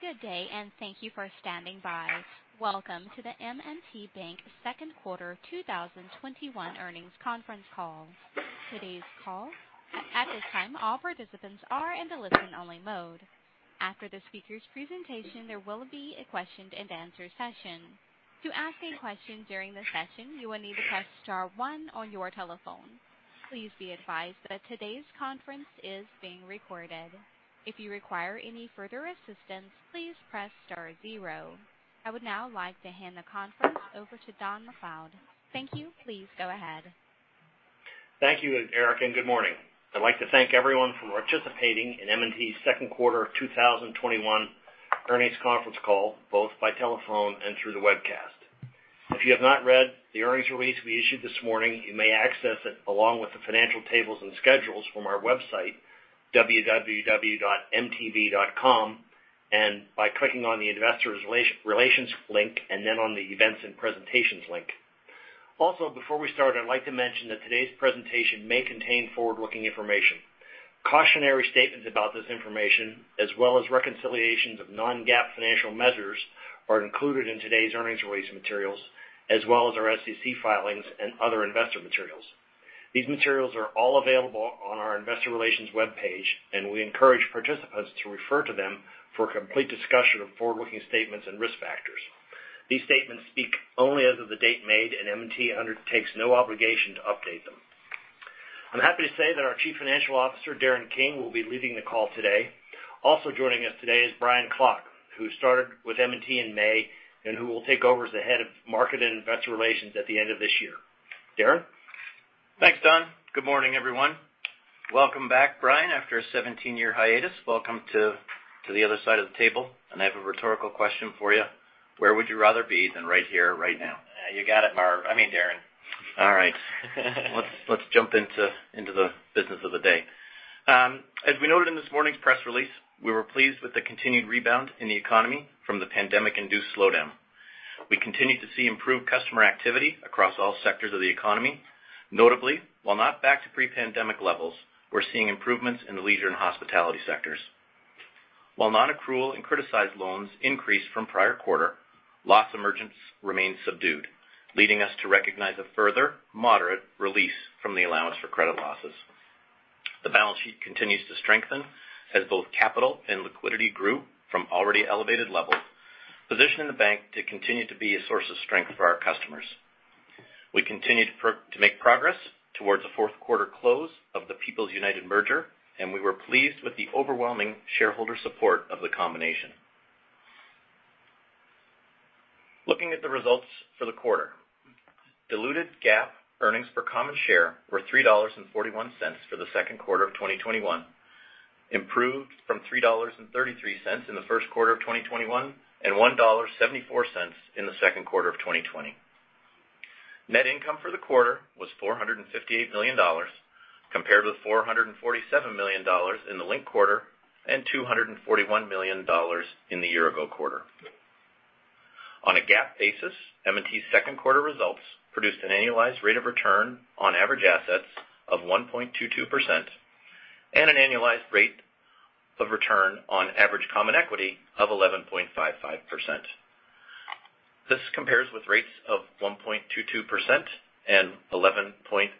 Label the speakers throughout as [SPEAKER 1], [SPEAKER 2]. [SPEAKER 1] Good day. Thank you for standing by. Welcome to the M&T Bank second quarter 2021 earnings conference call. Today's call, at this time, all participants are in the listen-only mode. After the speaker's presentation, there will be a question and answer session. To ask a question during the session, you will need to press star one on your telephone. Please be advised that today's conference is being recorded. If you require any further assistance, please press star zero. I would now like to hand the conference over to Don MacLeod. Thank you. Please go ahead.
[SPEAKER 2] Thank you, Erica. Good morning. I'd like to thank everyone for participating in M&T's second quarter 2021 earnings conference call, both by telephone and through the webcast. If you have not read the earnings release we issued this morning, you may access it along with the financial tables and schedules from our website, www.mtb.com, by clicking on the Investor Relations link and then on the Events and Presentations link. Before we start, I'd like to mention that today's presentation may contain forward-looking information. Cautionary statements about this information, as well as reconciliations of non-GAAP financial measures, are included in today's earnings release materials, as well as our SEC filings and other investor materials. These materials are all available on our Investor Relations webpage, and we encourage participants to refer to them for a complete discussion of forward-looking statements and risk factors. These statements speak only as of the date made, and M&T undertakes no obligation to update them. I'm happy to say that our Chief Financial Officer, Darren King, will be leading the call today. Joining us today is Brian Klock, who started with M&T in May and who will take over as the Head of market and Investor Relations at the end of this year. Darren?
[SPEAKER 3] Thanks, Don. Good morning, everyone. Welcome back, Brian. After a 17-year hiatus, welcome to the other side of the table. I have a rhetorical question for you. Where would you rather be than right here, right now?
[SPEAKER 2] You got it, Marv. I mean, Darren.
[SPEAKER 3] All right. Let's jump into the business of the day. As we noted in this morning's press release, we were pleased with the continued rebound in the economy from the pandemic-induced slowdown. We continue to see improved customer activity across all sectors of the economy. Notably, while not back to pre-pandemic levels, we're seeing improvements in the leisure and hospitality sectors. While non-accrual and criticized loans increased from prior quarter, loss emergence remains subdued, leading us to recognize a further moderate release from the allowance for credit losses. The balance sheet continues to strengthen as both capital and liquidity grew from already elevated levels, positioning the bank to continue to be a source of strength for our customers. We continue to make progress towards a fourth quarter close of the People's United merger, and we were pleased with the overwhelming shareholder support of the combination. Looking at the results for the quarter. Diluted GAAP earnings per common share were $3.41 for the second quarter of 2021, improved from $3.33 in the first quarter of 2021, and $1.74 in the second quarter of 2020. Net income for the quarter was $458 million compared with $447 million in the linked quarter and $241 million in the year-ago quarter. On a GAAP basis, M&T's second quarter results produced an annualized rate of return on average assets of 1.22% and an annualized rate of return on average common equity of 11.55%. This compares with rates of 1.22% and 11.57%,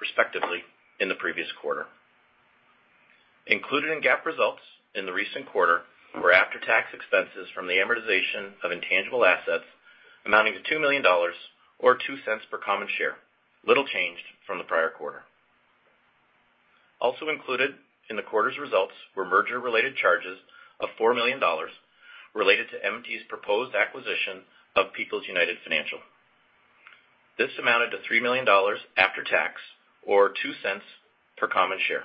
[SPEAKER 3] respectively, in the previous quarter. Included in GAAP results in the recent quarter were after-tax expenses from the amortization of intangible assets amounting to $2 million, or $0.02 per common share, little changed from the prior quarter. Included in the quarter's results were merger-related charges of $4 million related to M&T's proposed acquisition of People's United Financial. This amounted to $3 million after tax or $0.02 per common share.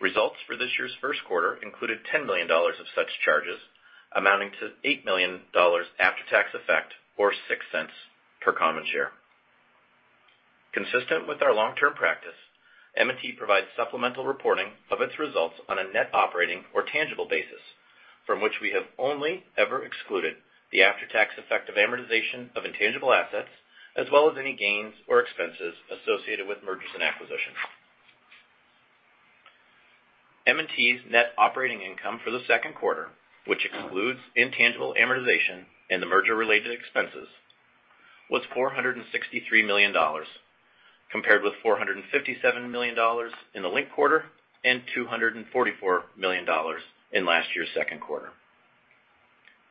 [SPEAKER 3] Results for this year's first quarter included $10 million of such charges, amounting to $8 million after-tax effect or $0.06 per common share. Consistent with our long-term practice, M&T provides supplemental reporting of its results on a net operating or tangible basis from which we have only ever excluded the after-tax effect of amortization of intangible assets, as well as any gains or expenses associated with mergers and acquisitions. M&T's net operating income for the second quarter, which excludes intangible amortization and the merger-related expenses, was $463 million, compared with $457 million in the linked quarter and $244 million in last year's second quarter.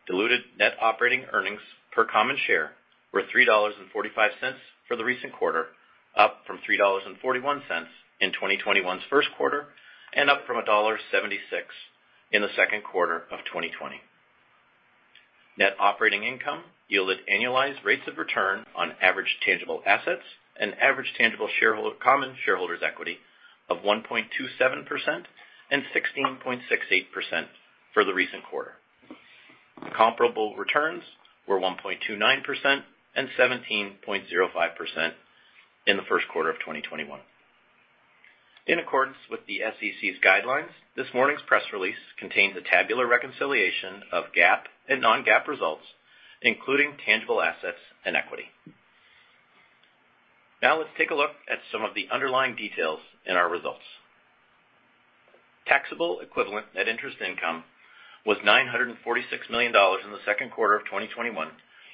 [SPEAKER 3] Diluted net operating earnings per common share were $3.45 for the recent quarter, up from $3.41 in 2021's first quarter and up from $1.76 in the second quarter of 2020. Net operating income yielded annualized rates of return on average tangible assets, an average tangible common shareholder's equity of 1.27% and 16.68% for the recent quarter. Comparable returns were 1.29% and 17.05% in the first quarter of 2021. In accordance with the SEC's guidelines, this morning's press release contains a tabular reconciliation of GAAP and non-GAAP results, including tangible assets and equity. Let's take a look at some of the underlying details in our results. Taxable equivalent net interest income was $946 million in the second quarter of 2021,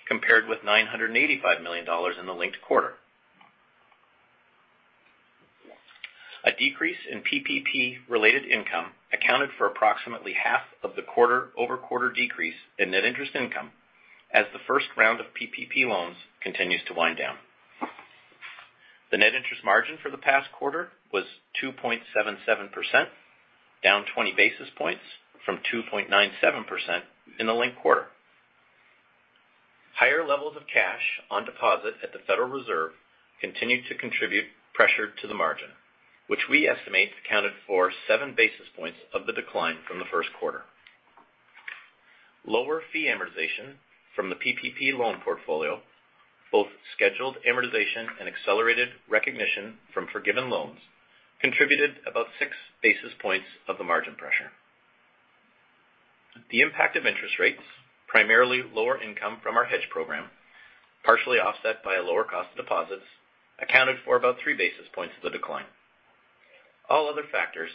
[SPEAKER 3] compared with $985 million in the linked quarter. A decrease in PPP related income accounted for approximately half of the quarter-over-quarter decrease in net interest income, as the first round of PPP loans continues to wind down. The net interest margin for the past quarter was 2.77%, down 20 basis points from 2.97% in the linked quarter. Higher levels of cash on deposit at the Federal Reserve continued to contribute pressure to the margin, which we estimate accounted for seven basis points of the decline from the first quarter. Lower fee amortization from the PPP loan portfolio, both scheduled amortization and accelerated recognition from forgiven loans, contributed about six basis points of the margin pressure. The impact of interest rates, primarily lower income from our hedge program, partially offset by a lower cost of deposits, accounted for about three basis points of the decline. All other factors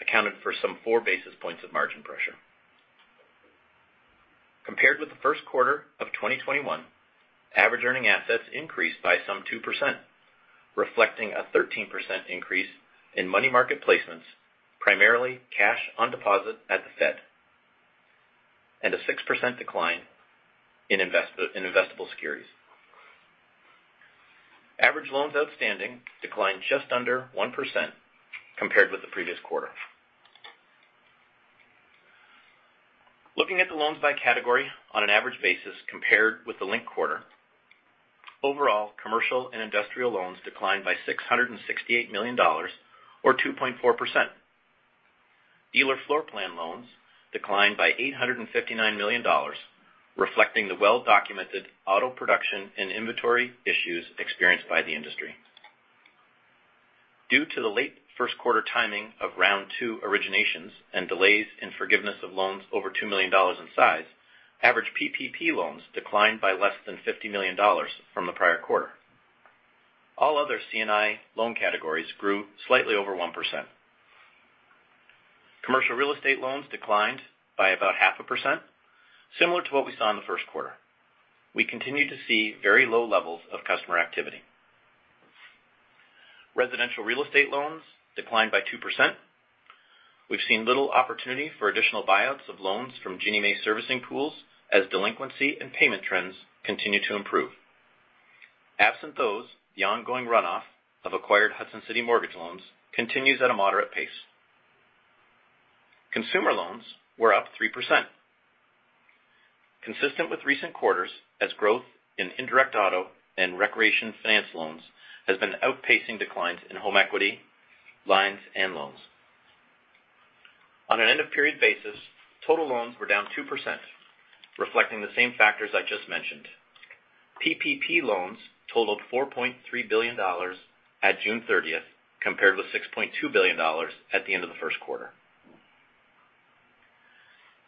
[SPEAKER 3] accounted for some four basis points of margin pressure. Compared with the first quarter of 2021, average earning assets increased by some 2%, reflecting a 13% increase in money market placements, primarily cash on deposit at the Fed, and a 6% decline in investable securities. Average loans outstanding declined just under 1% compared with the previous quarter. Looking at the loans by category on an average basis compared with the linked quarter, overall commercial and industrial loans declined by $668 million or 2.4%. Dealer floor plan loans declined by $859 million, reflecting the well-documented auto production and inventory issues experienced by the industry. Due to the late first quarter timing of round 2 originations and delays in forgiveness of loans over $2 million in size, average PPP loans declined by less than $50 million from the prior quarter. All other C&I loan categories grew slightly over 1%. Commercial real estate loans declined by about half a percent, similar to what we saw in the first quarter. We continue to see very low levels of customer activity. Residential real estate loans declined by 2%. We've seen little opportunity for additional buyouts of loans from Ginnie Mae servicing pools as delinquency and payment trends continue to improve. Absent those, the ongoing runoff of acquired Hudson City mortgage loans continues at a moderate pace. Consumer loans were up 3%, consistent with recent quarters as growth in indirect auto and recreation finance loans has been outpacing declines in home equity lines and loans. On an end of period basis, total loans were down 2%, reflecting the same factors I just mentioned. PPP loans totaled $4.3 billion at June 30th, compared with $6.2 billion at the end of the first quarter.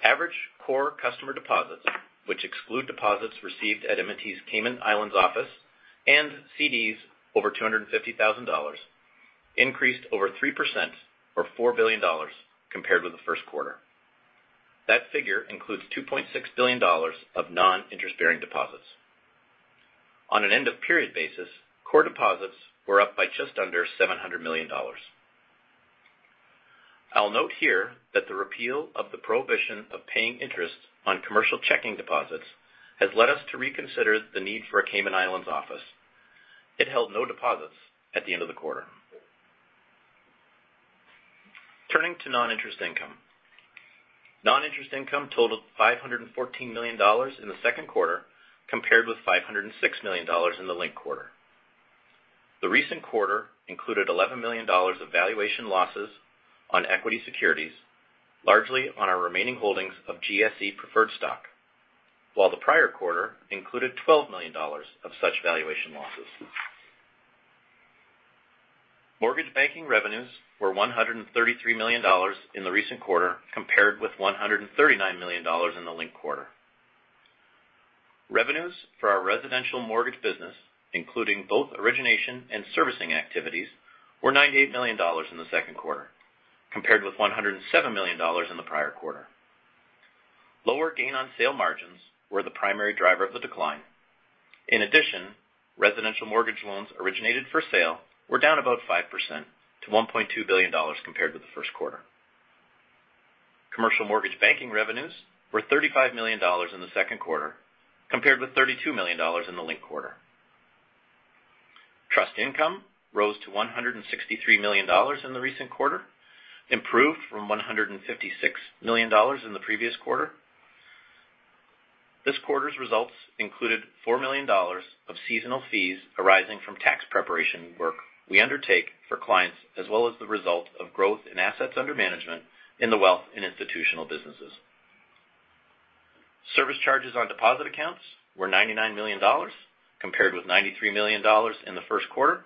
[SPEAKER 3] Average core customer deposits, which exclude deposits received at M&T's Cayman Islands office and CDs over $250,000, increased over 3% or $4 billion compared with the first quarter. That figure includes $2.6 billion of non-interest-bearing deposits. On an end of period basis, core deposits were up by just under $700 million. I'll note here that the repeal of the prohibition of paying interest on commercial checking deposits has led us to reconsider the need for a Cayman Islands office. It held no deposits at the end of the quarter. Turning to non-interest income. Non-interest income totaled $514 million in the second quarter, compared with $506 million in the linked quarter. The recent quarter included $11 million of valuation losses on equity securities, largely on our remaining holdings of GSE preferred stock, while the prior quarter included $12 million of such valuation losses. Mortgage banking revenues were $133 million in the recent quarter, compared with $139 million in the linked quarter. Revenues for our residential mortgage business, including both origination and servicing activities, were $98 million in the second quarter, compared with $107 million in the prior quarter. Lower gain on sale margins were the primary driver of the decline. In addition, residential mortgage loans originated for sale were down about 5% to $1.2 billion compared with the first quarter. Commercial mortgage banking revenues were $35 million in the second quarter, compared with $32 million in the linked quarter. Trust income rose to $163 million in the recent quarter, improved from $156 million in the previous quarter. This quarter's results included $4 million of seasonal fees arising from tax preparation work we undertake for clients, as well as the result of growth in assets under management in the wealth and institutional businesses. Service charges on deposit accounts were $99 million, compared with $93 million in the first quarter.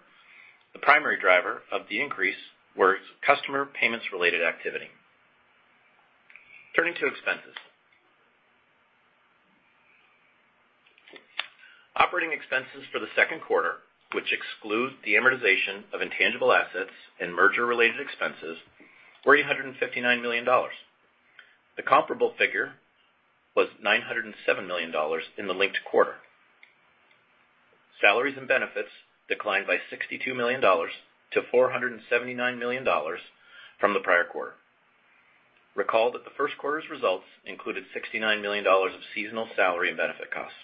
[SPEAKER 3] The primary driver of the increase was customer payments related activity. Turning to expenses. Operating expenses for the second quarter, which exclude the amortization of intangible assets and merger-related expenses, were $859 million. The comparable figure was $907 million in the linked quarter. Salaries and benefits declined by $62 million to $479 million from the prior quarter. Recall that the first quarter's results included $69 million of seasonal salary and benefit costs.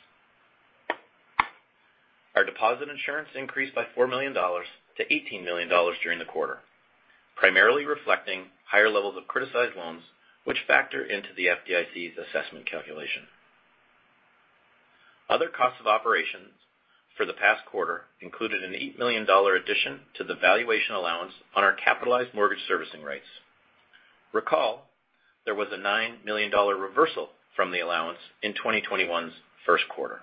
[SPEAKER 3] Our deposit insurance increased by $4 million to $18 million during the quarter, primarily reflecting higher levels of criticized loans, which factor into the FDIC's assessment calculation. Other costs of operations for the past quarter included an $8 million addition to the valuation allowance on our capitalized mortgage servicing rights. Recall, there was a $9 million reversal from the allowance in 2021's first quarter.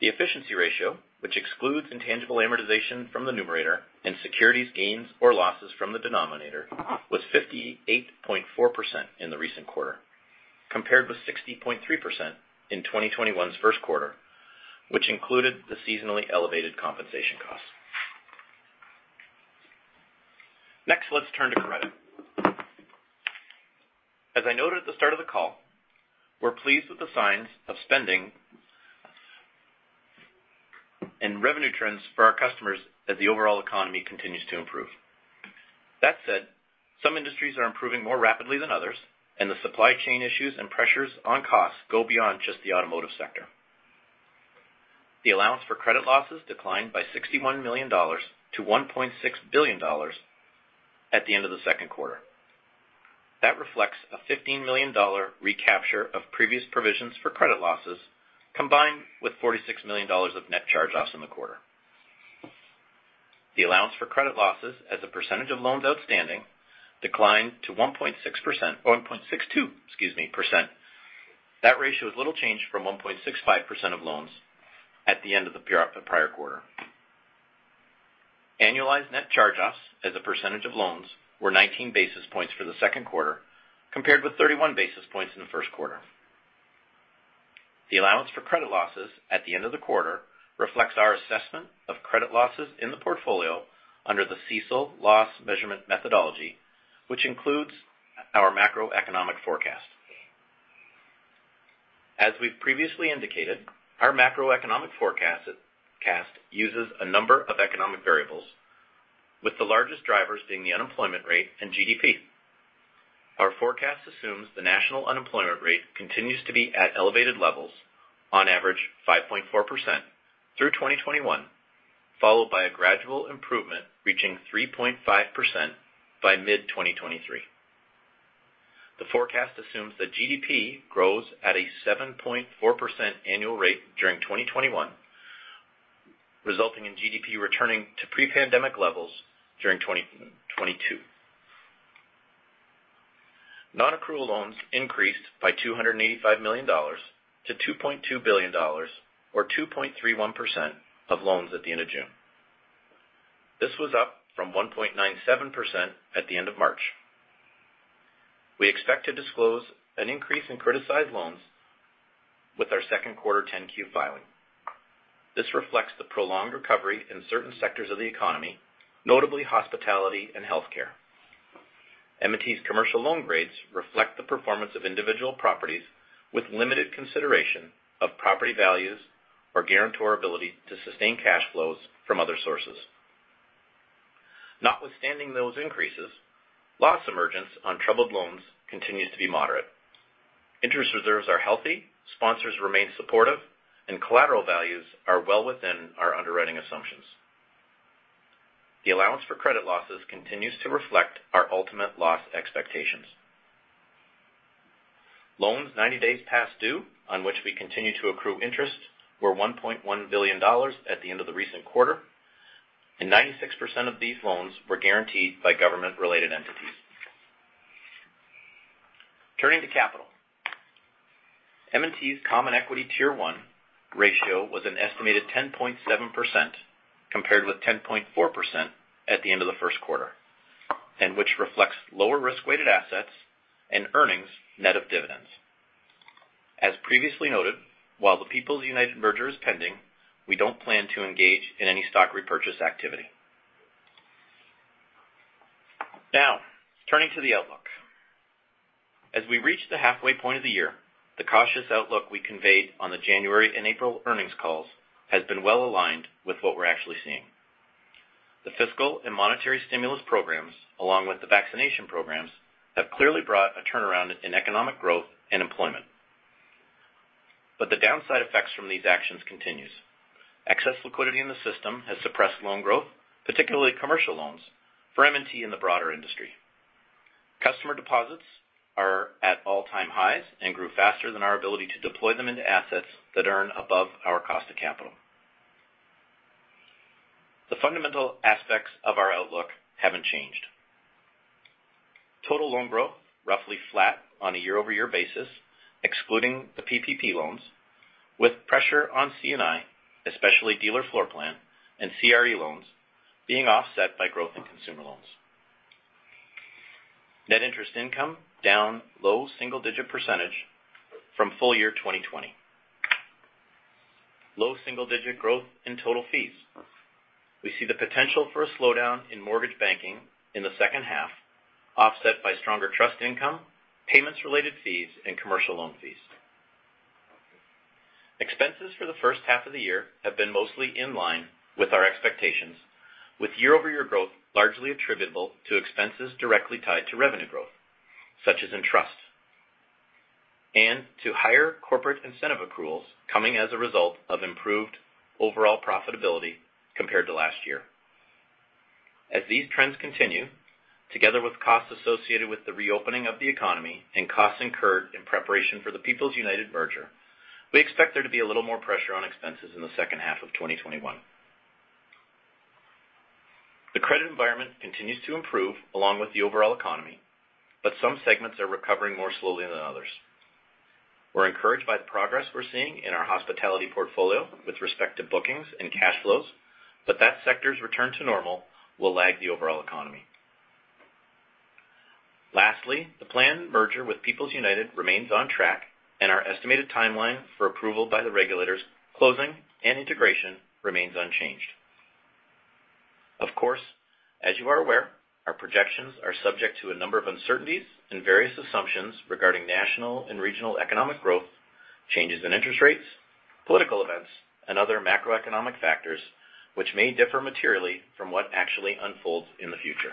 [SPEAKER 3] The efficiency ratio, which excludes intangible amortization from the numerator and securities gains or losses from the denominator, was 58.4% in the recent quarter, compared with 60.3% in 2021's first quarter, which included the seasonally elevated compensation cost. Let's turn to credit. As I noted at the start of the call, we're pleased with the signs of spending and revenue trends for our customers as the overall economy continues to improve. That said, some industries are improving more rapidly than others, and the supply chain issues and pressures on costs go beyond just the automotive sector. The allowance for credit losses declined by $61 million to $1.6 billion at the end of the second quarter. That reflects a $15 million recapture of previous provisions for credit losses, combined with $46 million of net charge-offs in the quarter. The allowance for credit losses as a percentage of loans outstanding declined to 1.6%, 1.62%, excuse me. That ratio is little change from 1.65% of loans at the end of the prior quarter. Annualized net charge-offs as a percentage of loans were 19 basis points for the second quarter, compared with 31 basis points in the first quarter. The allowance for credit losses at the end of the quarter reflects our assessment of credit losses in the portfolio under the CECL loss measurement methodology, which includes our macroeconomic forecast. As we've previously indicated, our macroeconomic forecast uses a number of economic variables, with the largest drivers being the unemployment rate and GDP. Our forecast assumes the national unemployment rate continues to be at elevated levels, on average 5.4%, through 2021, followed by a gradual improvement reaching 3.5% by mid-2023. The forecast assumes that GDP grows at a 7.4% annual rate during 2021, resulting in GDP returning to pre-pandemic levels during 2022. Non-accrual loans increased by $285 million to $2.2 billion or 2.31% of loans at the end of June. This was up from 1.97% at the end of March. We expect to disclose an increase in criticized loans with our second quarter 10-Q filing. This reflects the prolonged recovery in certain sectors of the economy, notably hospitality and healthcare. M&T's commercial loan grades reflect the performance of individual properties with limited consideration of property values or guarantor ability to sustain cash flows from other sources. Notwithstanding those increases, loss emergence on troubled loans continues to be moderate. Interest reserves are healthy, sponsors remain supportive, and collateral values are well within our underwriting assumptions. The allowance for credit losses continues to reflect our ultimate loss expectations. Loans 90 days past due, on which we continue to accrue interest, were $1.1 billion at the end of the recent quarter, and 96% of these loans were guaranteed by government-related entities. Turning to capital. M&T's Common Equity Tier 1 ratio was an estimated 10.7%, compared with 10.4% at the end of the first quarter, and which reflects lower risk-weighted assets and earnings net of dividends. As previously noted, while the People's United merger is pending, we don't plan to engage in any stock repurchase activity. Now, turning to the outlook. As we reach the halfway point of the year, the cautious outlook we conveyed on the January and April earnings calls has been well-aligned with what we're actually seeing. The fiscal and monetary stimulus programs, along with the vaccination programs, have clearly brought a turnaround in economic growth and employment. The downside effects from these actions continues. Excess liquidity in the system has suppressed loan growth, particularly commercial loans for M&T in the broader industry. Customer deposits are at all-time highs and grew faster than our ability to deploy them into assets that earn above our cost of capital. The fundamental aspects of our outlook haven't changed. Total loan growth roughly flat on a year-over-year basis, excluding the PPP loans, with pressure on C&I, especially dealer floor plan and CRE loans being offset by growth in consumer loans. Net interest income down low single-digit percentage from full year 2020. Low single-digit growth in total fees. We see the potential for a slowdown in mortgage banking in the second half, offset by stronger trust income, payments-related fees, and commercial loan fees. Expenses for the first half of the year have been mostly in line with our expectations, with year-over-year growth largely attributable to expenses directly tied to revenue growth, such as in trust, and to higher corporate incentive accruals coming as a result of improved overall profitability compared to last year. As these trends continue, together with costs associated with the reopening of the economy and costs incurred in preparation for the People's United merger, we expect there to be a little more pressure on expenses in the second half of 2021. The credit environment continues to improve along with the overall economy, but some segments are recovering more slowly than others. We're encouraged by the progress we're seeing in our hospitality portfolio with respect to bookings and cash flows, that sector's return to normal will lag the overall economy. Lastly, the planned merger with People's United remains on track, our estimated timeline for approval by the regulators, closing, and integration remains unchanged. Of course, as you are aware, our projections are subject to a number of uncertainties and various assumptions regarding national and regional economic growth, changes in interest rates, political events, and other macroeconomic factors, which may differ materially from what actually unfolds in the future.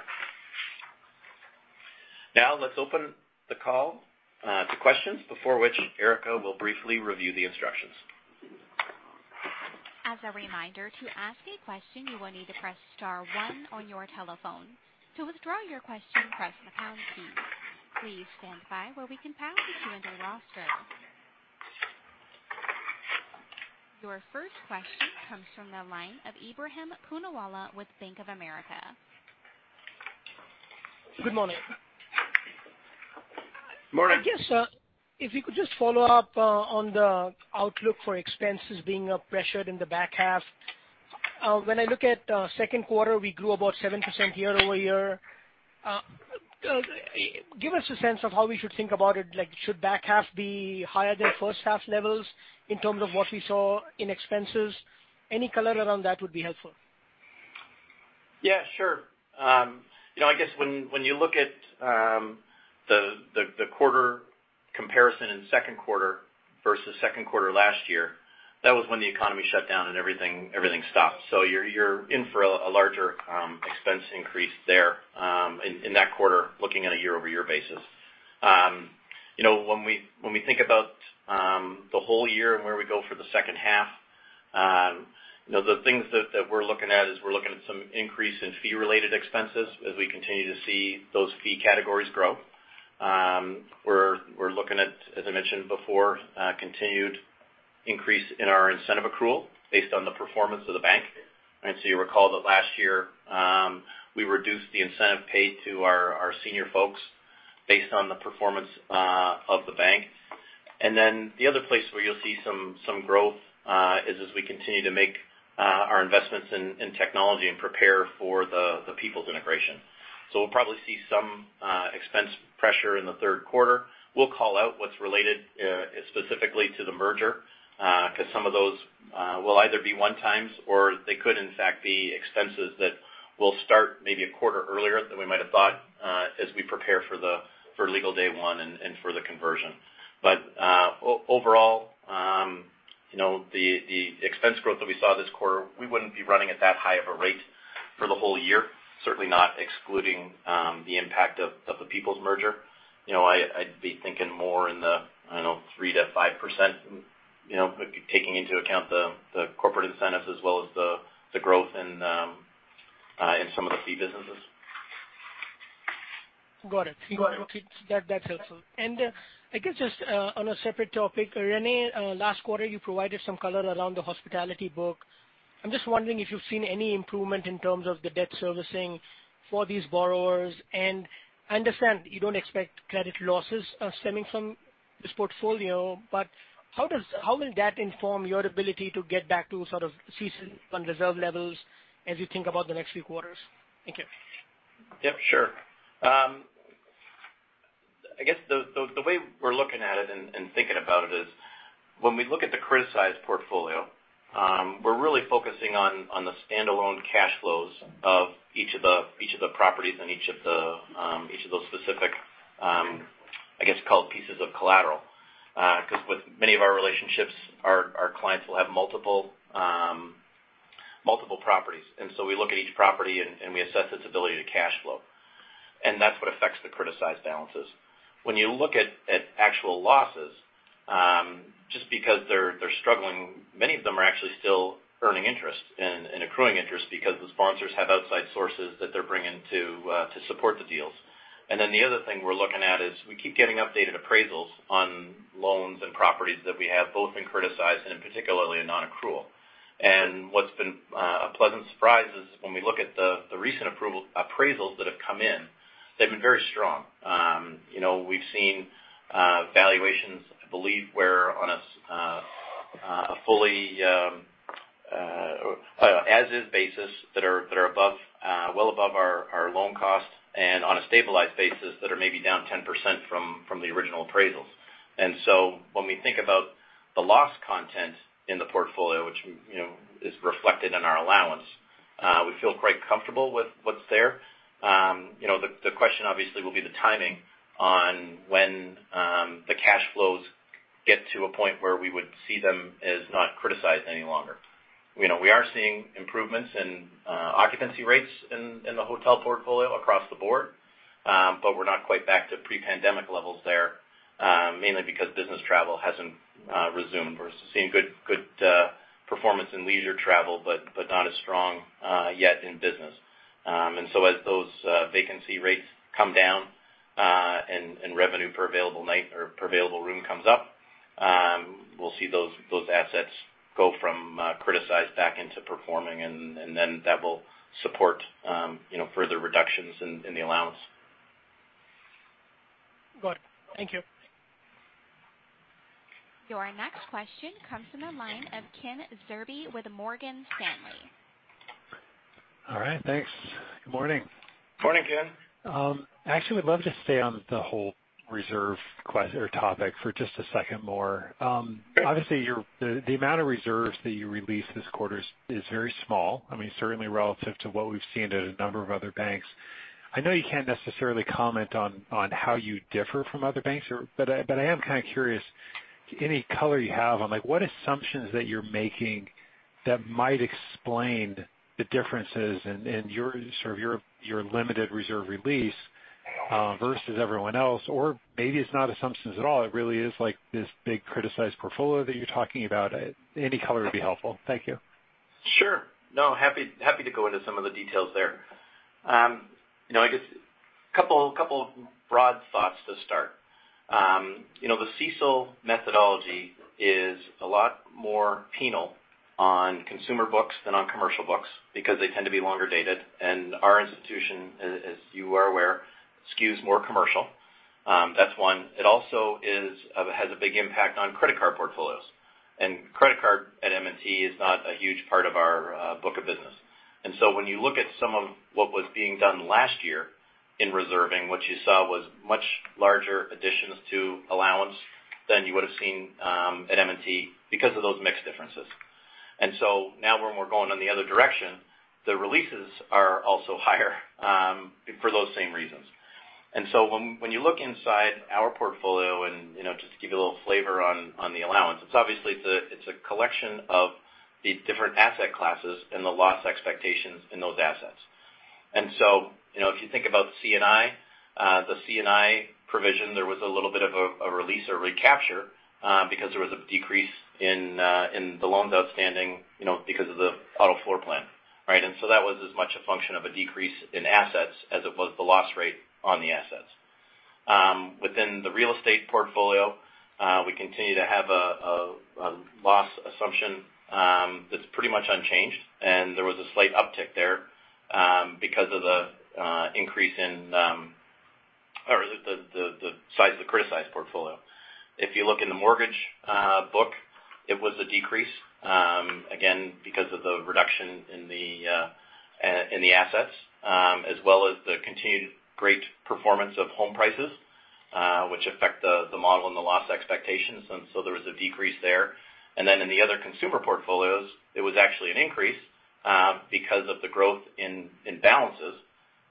[SPEAKER 3] Now let's open the call to questions, before which Erica will briefly review the instructions.
[SPEAKER 1] As a reminder, to ask a question, you will need to press star one on your telephone. To withdraw your question, press the pound key. Please stand by while we compile the queue and the roster. Your first question comes from the line of Ebrahim Poonawala with Bank of America.
[SPEAKER 4] Good morning.
[SPEAKER 3] Morning.
[SPEAKER 4] I guess if you could just follow up on the outlook for expenses being pressured in the back half. When I look at second quarter, we grew about 7% year-over-year. Give us a sense of how we should think about it. Should the back half be higher than first half levels in terms of what we saw in expenses? Any color around that would be helpful.
[SPEAKER 3] Yeah, sure. I guess when you look at the quarter comparison in second quarter versus second quarter last year, that was when the economy shut down and everything stopped. You're in for a larger expense increase there in that quarter, looking at a year-over-year basis. When we think about the whole year and where we go for the second half, the things that we're looking at is we're looking at some increase in fee-related expenses as we continue to see those fee categories grow. We're looking at, as I mentioned before, continued increase in our incentive accrual based on the performance of the bank. You recall that last year, we reduced the incentive pay to our senior folks based on the performance of the bank. The other place where you'll see some growth is as we continue to make our investments in technology and prepare for the People's integration. We'll probably see some expense pressure in the third quarter. We'll call out what's related specifically to the merger. Some of those will either be one-times or they could in fact be expenses that will start maybe a quarter earlier than we might have thought as we prepare for legal day one and for the conversion. Overall, the expense growth that we saw this quarter, we wouldn't be running at that high of a rate for the whole year. Certainly not excluding the impact of the People's merger. I'd be thinking more in the 3%-5%, taking into account the corporate incentives as well as the growth in some of the fee businesses.
[SPEAKER 4] Got it.
[SPEAKER 3] Got it.
[SPEAKER 4] Okay. That's helpful. I guess just on a separate topic, Darren, last quarter you provided some color around the hospitality book. I'm just wondering if you've seen any improvement in terms of the debt servicing for these borrowers. I understand you don't expect credit losses stemming from this portfolio, but how will that inform your ability to get back to season on reserve levels as you think about the next few quarters? Thank you.
[SPEAKER 3] Yeah, sure. I guess the way we're looking at it and thinking about it is when we look at the criticized portfolio, we're really focusing on the standalone cash flows of each of the properties and each of those specific, I guess, call it pieces of collateral. Because with many of our relationships, our clients will have multiple properties. So we look at each property and we assess its ability to cash flow. That's what affects the criticized balances. When you look at actual losses, just because they're struggling, many of them are actually still earning interest and accruing interest because the sponsors have outside sources that they're bringing to support the deals. Then the other thing we're looking at is we keep getting updated appraisals on loans and properties that we have both in criticized and in particularly in non-accrual. What's been a pleasant surprise is when we look at the recent appraisals that have come in, they've been very strong. We've seen valuations, I believe we're on a fully on an as is basis that are well above our loan costs and on a stabilized basis that are maybe down 10% from the original appraisals. So when we think about the loss content in the portfolio, which is reflected in our allowance, we feel quite comfortable with what's there. The question obviously will be the timing on when the cash flows get to a point where we would see them as not criticized any longer. We are seeing improvements in occupancy rates in the hotel portfolio across the board. We're not quite back to pre-pandemic levels there, mainly because business travel hasn't resumed. We're seeing good performance in leisure travel, but not as strong yet in business. As those vacancy rates come down, and revenue per available night or per available room comes up, we'll see those assets go from criticized back into performing, and then that will support further reductions in the allowance.
[SPEAKER 4] Got it. Thank you.
[SPEAKER 1] Your next question comes from the line of Ken Zerbe with Morgan Stanley.
[SPEAKER 5] All right. Thanks. Good morning.
[SPEAKER 3] Morning, Ken.
[SPEAKER 5] Actually, would love to stay on the whole reserve topic for just a second more.
[SPEAKER 3] Okay.
[SPEAKER 5] Obviously, the amount of reserves that you released this quarter is very small, certainly relative to what we've seen at a number of other banks. I know you can't necessarily comment on how you differ from other banks, but I am kind of curious any color you have on what assumptions that you're making that might explain the differences in your limited reserve release versus everyone else. Or maybe it's not assumptions at all. It really is this big criticized portfolio that you're talking about. Any color would be helpful. Thank you.
[SPEAKER 3] Sure. No, happy to go into some of the details there. I guess a couple of broad thoughts to start. The CECL methodology is a lot more penal on consumer books than on commercial books because they tend to be longer dated, and our institution, as you are aware, skews more commercial. That's one. It also has a big impact on credit card portfolios. Credit card at M&T is not a huge part of our book of business. When you look at some of what was being done last year in reserving, what you saw was much larger additions to allowance than you would've seen at M&T because of those mix differences. Now when we're going in the other direction, the releases are also higher for those same reasons. When you look inside our portfolio and just to give you a little flavor on the allowance, it's obviously a collection of these different asset classes and the loss expectations in those assets. If you think about C&I, the C&I provision, there was a little bit of a release or recapture because there was a decrease in the loans outstanding because of the auto floor plan. Right? That was as much a function of a decrease in assets as it was the loss rate on the assets. Within the real estate portfolio, we continue to have a loss assumption that's pretty much unchanged, and there was a slight uptick there because of the size of the criticized portfolio. If you look in the mortgage book, it was a decrease, again, because of the reduction in the assets as well as the continued great performance of home prices which affect the model and the loss expectations. There was a decrease there. In the other consumer portfolios, it was actually an increase because of the growth in balances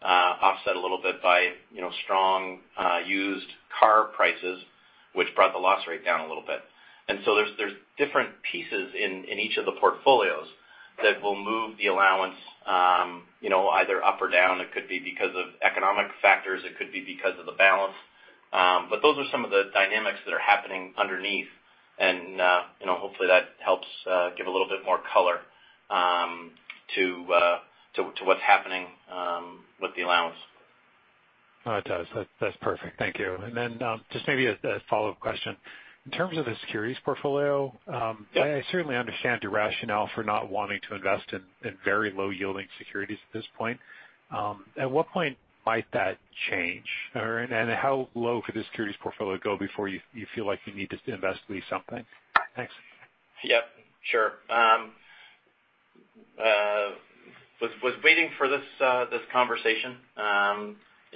[SPEAKER 3] offset a little bit by strong used car prices, which brought the loss rate down a little bit. There's different pieces in each of the portfolios that will move the allowance either up or down. It could be because of economic factors, it could be because of the balance. Those are some of the dynamics that are happening underneath, and hopefully that helps give a little bit more color to what's happening with the allowance.
[SPEAKER 5] No, it does. That's perfect. Thank you. Just maybe a follow-up question. In terms of the securities portfolio-
[SPEAKER 3] Yeah
[SPEAKER 5] I certainly understand your rationale for not wanting to invest in very low yielding securities at this point. At what point might that change? Or, how low could the securities portfolio go before you feel like you need to invest at least something? Thanks.
[SPEAKER 3] Yep. Sure. Was waiting for this conversation.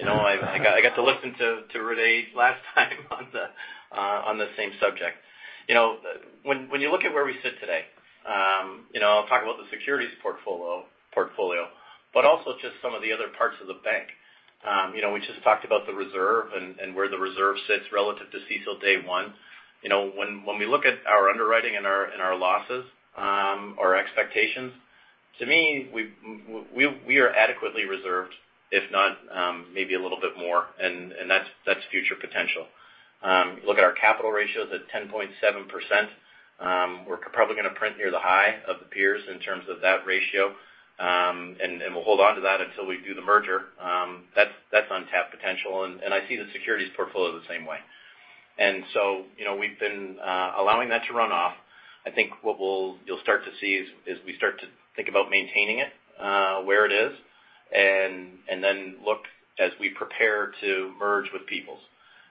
[SPEAKER 3] I got to listen to René last time on the same subject. When you look at where we sit today, I'll talk about the securities portfolio, but also just some of the other parts of the bank. We just talked about the reserve and where the reserve sits relative to CECL day one. When we look at our underwriting and our losses, our expectations, to me, we are adequately reserved, if not maybe a little bit more, and that's future potential. Look at our capital ratios at 10.7%. We're probably going to print near the high of the peers in terms of that ratio, and we'll hold onto that until we do the merger. That's untapped potential, and I see the securities portfolio the same way. We've been allowing that to run off. I think what you'll start to see is we start to think about maintaining it where it is and then look as we prepare to merge with People's.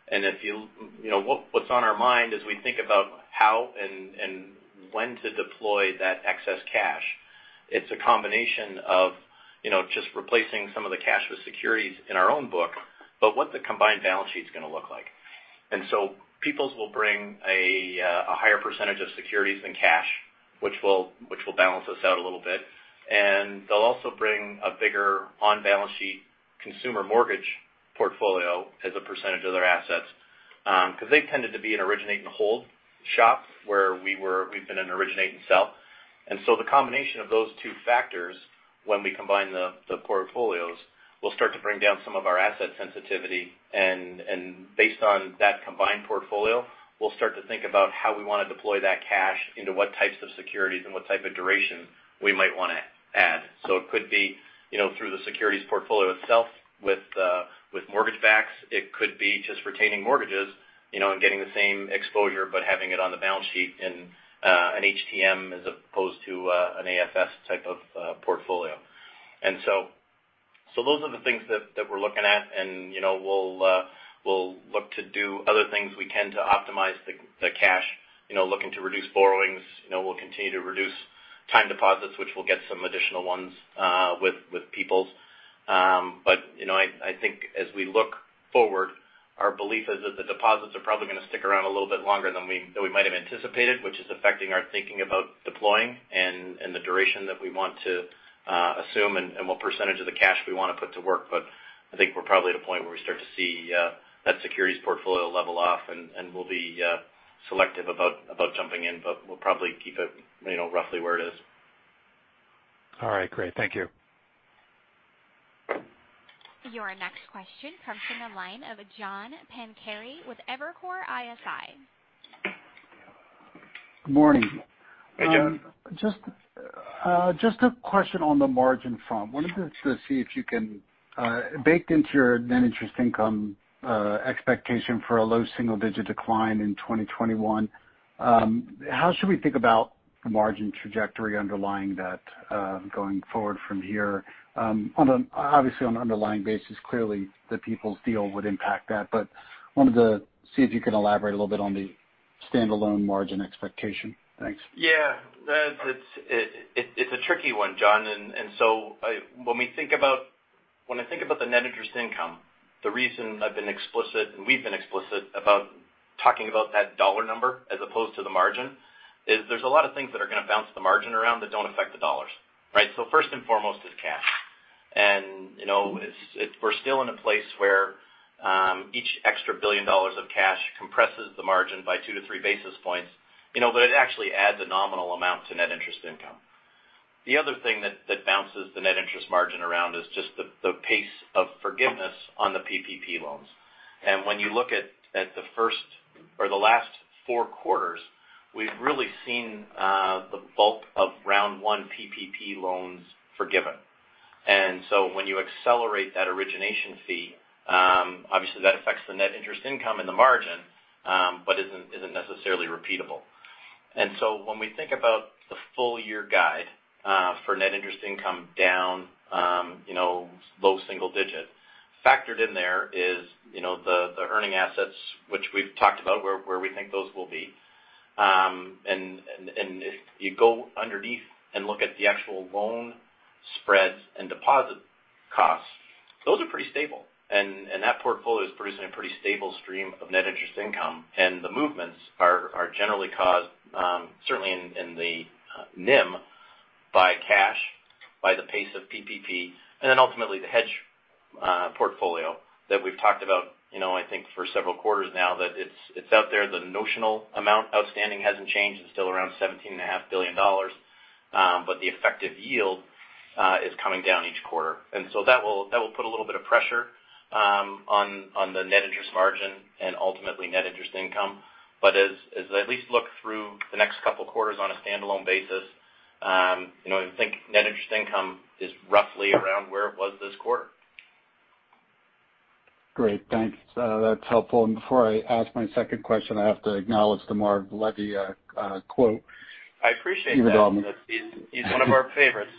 [SPEAKER 3] What's on our mind as we think about how and when to deploy that excess cash, it's a combination of just replacing some of the cash with securities in our own book, but what the combined balance sheet's going to look like. People's will bring a higher percentage of securities than cash, which will balance us out a little bit. They'll also bring a bigger on-balance sheet consumer mortgage portfolio as a percentage of their assets. They've tended to be an originate and hold shop where we've been an originate and sell. The combination of those two factors when we combine the portfolios, will start to bring down some of our asset sensitivity. Based on that combined portfolio, we'll start to think about how we want to deploy that cash into what types of securities and what type of duration we might want to add. It could be through the securities portfolio itself with mortgage backs. It could be just retaining mortgages and getting the same exposure, but having it on the balance sheet in an HTM as opposed to an AFS type of portfolio. Those are the things that we're looking at, and we'll look to do other things we can to optimize the cash. Looking to reduce borrowings. We'll continue to reduce time deposits, which we'll get some additional ones with People's. I think as we look forward, our belief is that the deposits are probably going to stick around a little bit longer than we might have anticipated, which is affecting our thinking about deploying and the duration that we want to assume and what percentage of the cash we want to put to work. I think we're probably at a point where we start to see that securities portfolio level off, and we'll be selective about jumping in, but we'll probably keep it roughly where it is.
[SPEAKER 5] All right, great. Thank you.
[SPEAKER 1] Your next question comes from the line of John Pancari with Evercore ISI.
[SPEAKER 6] Good morning.
[SPEAKER 3] Hey, John.
[SPEAKER 6] Just a question on the margin front. Wanted to see if you can baked into your net interest income expectation for a low single-digit decline in 2021, how should we think about the margin trajectory underlying that going forward from here? Obviously, on an underlying basis, clearly the People's deal would impact that, but wanted to see if you could elaborate a little bit on the standalone margin expectation. Thanks.
[SPEAKER 3] Yeah. It's a tricky one, John. When I think about the net interest income, the reason I've been explicit, and we've been explicit about talking about that dollar number as opposed to the margin, is there's a lot of things that are going to bounce the margin around that don't affect the dollars. Right? First and foremost is cash. We're still in a place where each extra billion dollars of cash compresses the margin by two to three basis points. It actually adds a nominal amount to net interest income. The other thing that bounces the net interest margin around is just the pace of forgiveness on the PPP loans. When you look at the last four quarters, we've really seen the bulk of round one PPP loans forgiven. When you accelerate that origination fee, obviously that affects the net interest income and the margin but isn't necessarily repeatable. When we think about the full-year guide for net interest income down low single digit, factored in there is the earning assets, which we've talked about where we think those will be. If you go underneath and look at the actual loan spreads and deposit costs, those are pretty stable. That portfolio is producing a pretty stable stream of net interest income. The movements are generally caused, certainly in the NIM by cash, by the pace of PPP, and then ultimately the hedge portfolio that we've talked about I think for several quarters now that it's out there. The notional amount outstanding hasn't changed. It's still around $17.5 billion. The effective yield is coming down each quarter. That will put a little bit of pressure on the net interest margin and ultimately net interest income. As I at least look through the next couple of quarters on a standalone basis, I think net interest income is roughly around where it was this quarter.
[SPEAKER 6] Great. Thanks. That's helpful. Before I ask my second question, I have to acknowledge the Marv Levy quote.
[SPEAKER 3] I appreciate that.
[SPEAKER 6] Even though I'm not-
[SPEAKER 3] He's one of our favorites.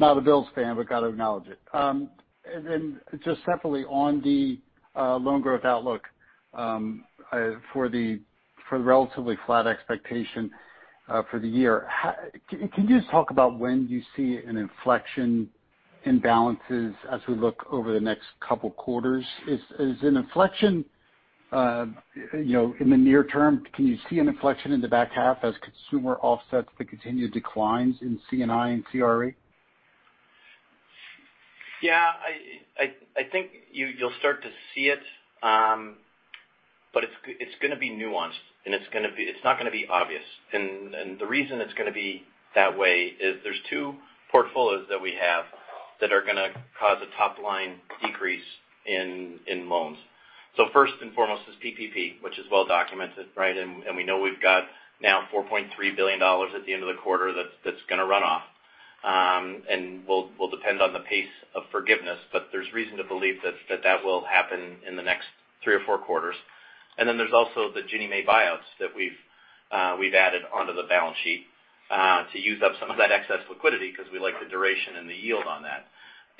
[SPEAKER 6] Not a Bills fan, got to acknowledge it. Just separately on the loan growth outlook for the relatively flat expectation for the year. Can you just talk about when you see an inflection in balances as we look over the next couple of quarters? Is an inflection in the near term? Can you see an inflection in the back half as consumer offsets the continued declines in C&I and CRE?
[SPEAKER 3] I think you'll start to see it. It's going to be nuanced and it's not going to be obvious. The reason it's going to be that way is there's two portfolios that we have that are going to cause a top-line decrease in loans. First and foremost is PPP, which is well documented, right? We know we've got now $4.3 billion at the end of the quarter that's going to run off. Will depend on the pace of forgiveness, there's reason to believe that will happen in the next three or four quarters. There's also the Ginnie Mae buyouts that we've added onto the balance sheet to use up some of that excess liquidity because we like the duration and the yield on that.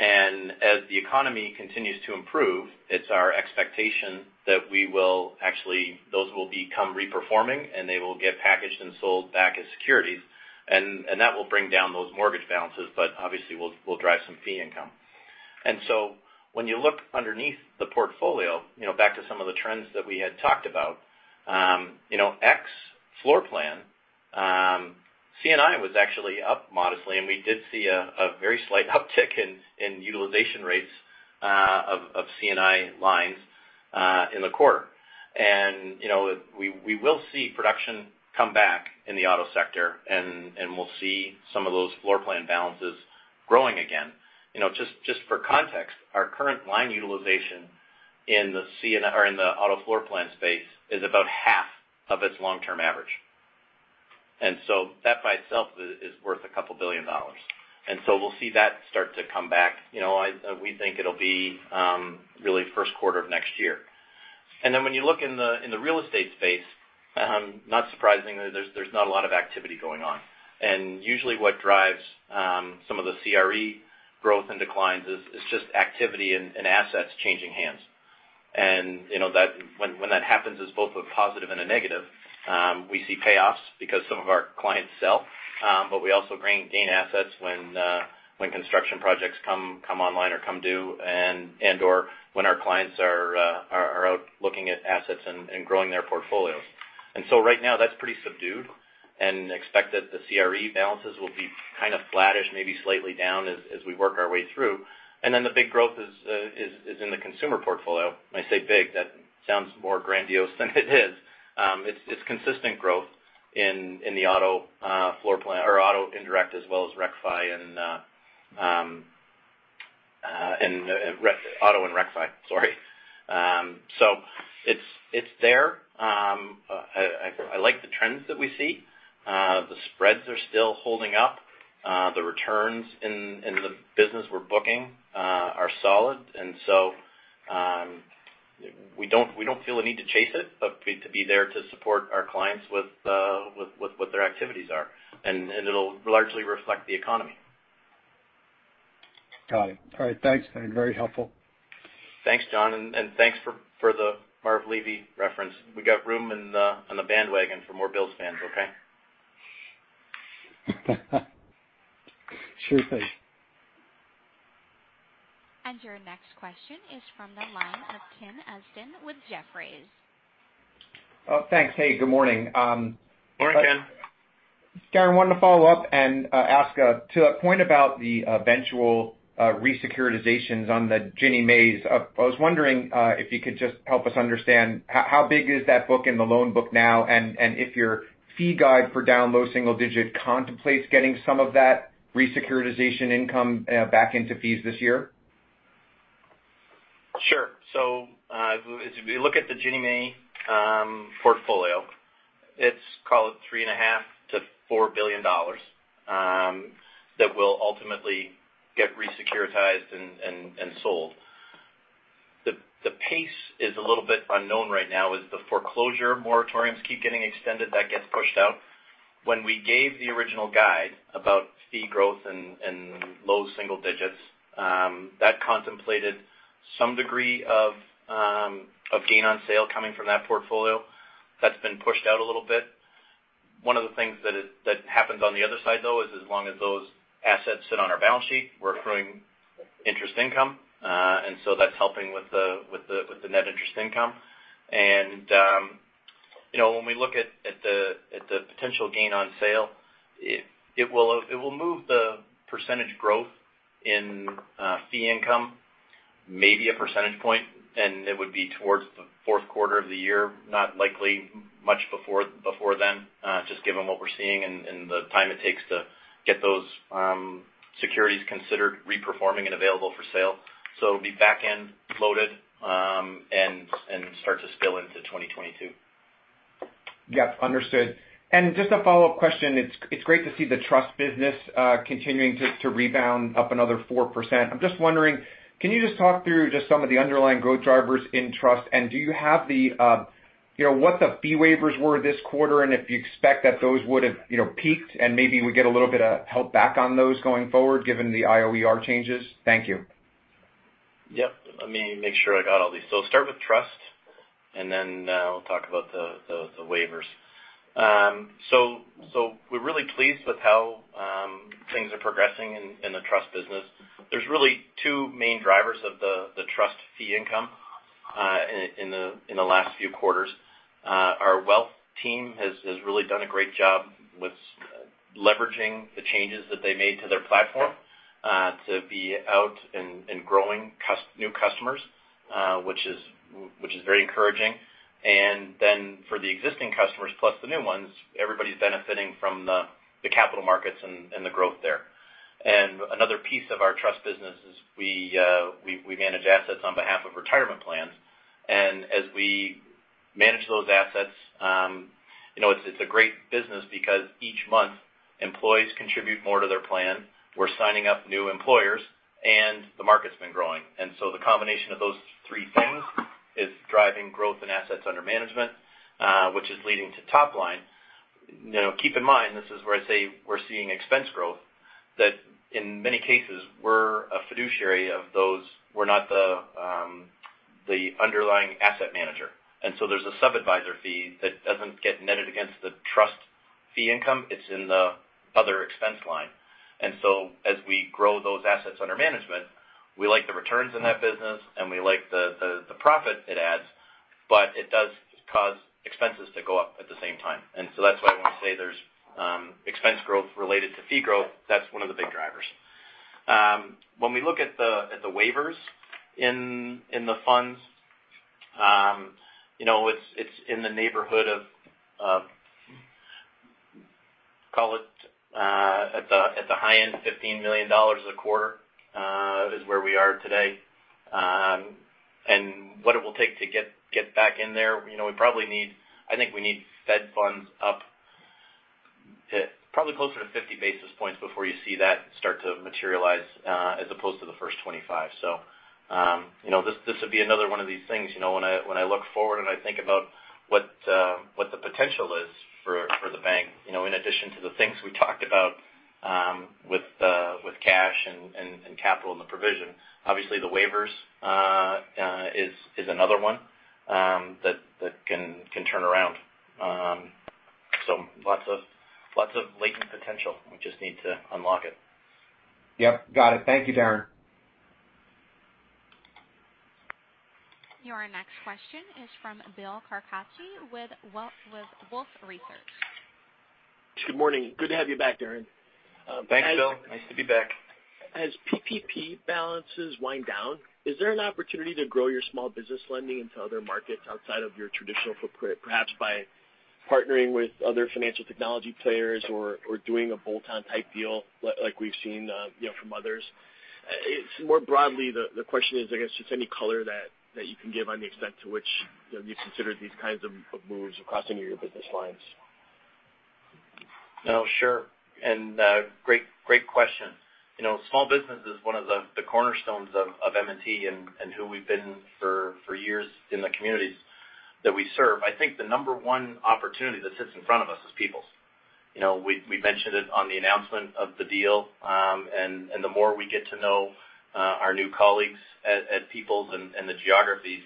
[SPEAKER 3] As the economy continues to improve, it's our expectation that those will become re-performing, they will get packaged and sold back as securities, that will bring down those mortgage balances, obviously, will drive some fee income. When you look underneath the portfolio, back to some of the trends that we had talked about, ex floor plan, C&I was actually up modestly, we did see a very slight uptick in utilization rates of C&I lines in the quarter. We will see production come back in the auto sector, we'll see some of those floor plan balances growing again. Just for context, our current line utilization in the auto floor plan space is about half of its long-term average. That by itself is worth a couple billion dollars. We'll see that start to come back. We think it'll be really first quarter of next year. When you look in the real estate space, not surprisingly, there's not a lot of activity going on. Usually what drives some of the CRE growth and declines is just activity and assets changing hands. When that happens, it's both a positive and a negative. We see payoffs because some of our clients sell. We also gain assets when construction projects come online or come due and/or when our clients are out looking at assets and growing their portfolios. Right now, that's pretty subdued and expect that the CRE balances will be kind of flattish, maybe slightly down as we work our way through. The big growth is in the consumer portfolio. When I say big, that sounds more grandiose than it is. It's consistent growth in the auto floor plan or auto indirect as well as RecFi and auto and RecFi, sorry. It's there. I like the trends that we see. The spreads are still holding up. The returns in the business we're booking are solid. We don't feel a need to chase it, but to be there to support our clients with what their activities are. It'll largely reflect the economy.
[SPEAKER 6] Got it. All right. Thanks. Very helpful.
[SPEAKER 3] Thanks, John, and thanks for the Marv Levy reference. We got room on the bandwagon for more Bills fans, okay?
[SPEAKER 6] Sure thing.
[SPEAKER 1] Your next question is from the line of Ken Usdin with Jefferies.
[SPEAKER 7] Thanks. Hey, good morning.
[SPEAKER 3] Morning, Ken.
[SPEAKER 7] Darren, wanted to follow up and ask to a point about the eventual re-securitizations on the Ginnie Mae's. I was wondering if you could just help us understand how big is that book in the loan book now, and if your fee guide for down low single digit contemplates getting some of that re-securitization income back into fees this year?
[SPEAKER 3] As we look at the Ginnie Mae portfolio, it's call it $3.5 billion to $4 billion that will ultimately get re-securitized and sold. The pace is a little bit unknown right now as the foreclosure moratoriums keep getting extended, that gets pushed out. When we gave the original guide about fee growth and low single digits, that contemplated some degree of gain on sale coming from that portfolio. That's been pushed out a little bit. One of the things that happens on the other side, though, is as long as those assets sit on our balance sheet, we're accruing interest income. That's helping with the net interest income. When we look at the potential gain on sale, it will move the percentage growth in fee income maybe a percentage point, and it would be towards the fourth quarter of the year, not likely much before then, just given what we're seeing and the time it takes to get those securities considered re-performing and available for sale. It'll be back-end loaded and start to spill into 2022.
[SPEAKER 7] Yes, understood. Just a follow-up question, it's great to see the trust business continuing to rebound up another 4%. I'm just wondering, can you just talk through just some of the underlying growth drivers in trust? Do you have what the fee waivers were this quarter, and if you expect that those would have peaked and maybe we get a little bit of help back on those going forward given the IOER changes? Thank you.
[SPEAKER 3] Yep. Let me make sure I got all these. Start with trust, I'll talk about the waivers. We're really pleased with how things are progressing in the trust business. There's really two main drivers of the trust fee income in the last few quarters. Our wealth team has really done a great job with leveraging the changes that they made to their platform to be out and growing new customers which is very encouraging. For the existing customers plus the new ones, everybody's benefiting from the capital markets and the growth there. Another piece of our trust business is we manage assets on behalf of retirement plans. As we manage those assets It's a great business because each month, employees contribute more to their plan. We're signing up new employers, and the market's been growing. The combination of those three things is driving growth in assets under management, which is leading to top line. Keep in mind, this is where I say we're seeing expense growth, that in many cases we're a fiduciary of those. We're not the underlying asset manager. There's a sub-adviser fee that doesn't get netted against the trust fee income. It's in the other expense line. As we grow those assets under management, we like the returns in that business, and we like the profit it adds, but it does cause expenses to go up at the same time. That's why when I say there's expense growth related to fee growth, that's one of the big drivers. When we look at the waivers in the funds, it's in the neighborhood of, call it at the high end, $15 million a quarter, is where we are today. What it will take to get back in there, I think we need Fed funds up to probably closer to 50 basis points before you see that start to materialize, as opposed to the first 25. This would be another one of these things. When I look forward and I think about what the potential is for the bank, in addition to the things we talked about with cash and capital in the provision, obviously the waivers is another one that can turn around. Lots of latent potential. We just need to unlock it.
[SPEAKER 7] Yep, got it. Thank you, Darren.
[SPEAKER 1] Your next question is from Bill Carcache with Wolfe Research.
[SPEAKER 8] Good morning. Good to have you back, Darren.
[SPEAKER 3] Thanks, Bill. Nice to be back.
[SPEAKER 8] As PPP balances wind down, is there an opportunity to grow your small business lending into other markets outside of your traditional footprint, perhaps by partnering with other financial technology players or doing a bolt-on type deal like we've seen from others? The question is, I guess, just any color that you can give on the extent to which you've considered these kinds of moves across any of your business lines.
[SPEAKER 3] Sure. Great question. Small business is one of the cornerstones of M&T and who we've been for years in the communities that we serve. I think the number one opportunity that sits in front of us is Peoples. We mentioned it on the announcement of the deal. The more we get to know our new colleagues at Peoples and the geographies,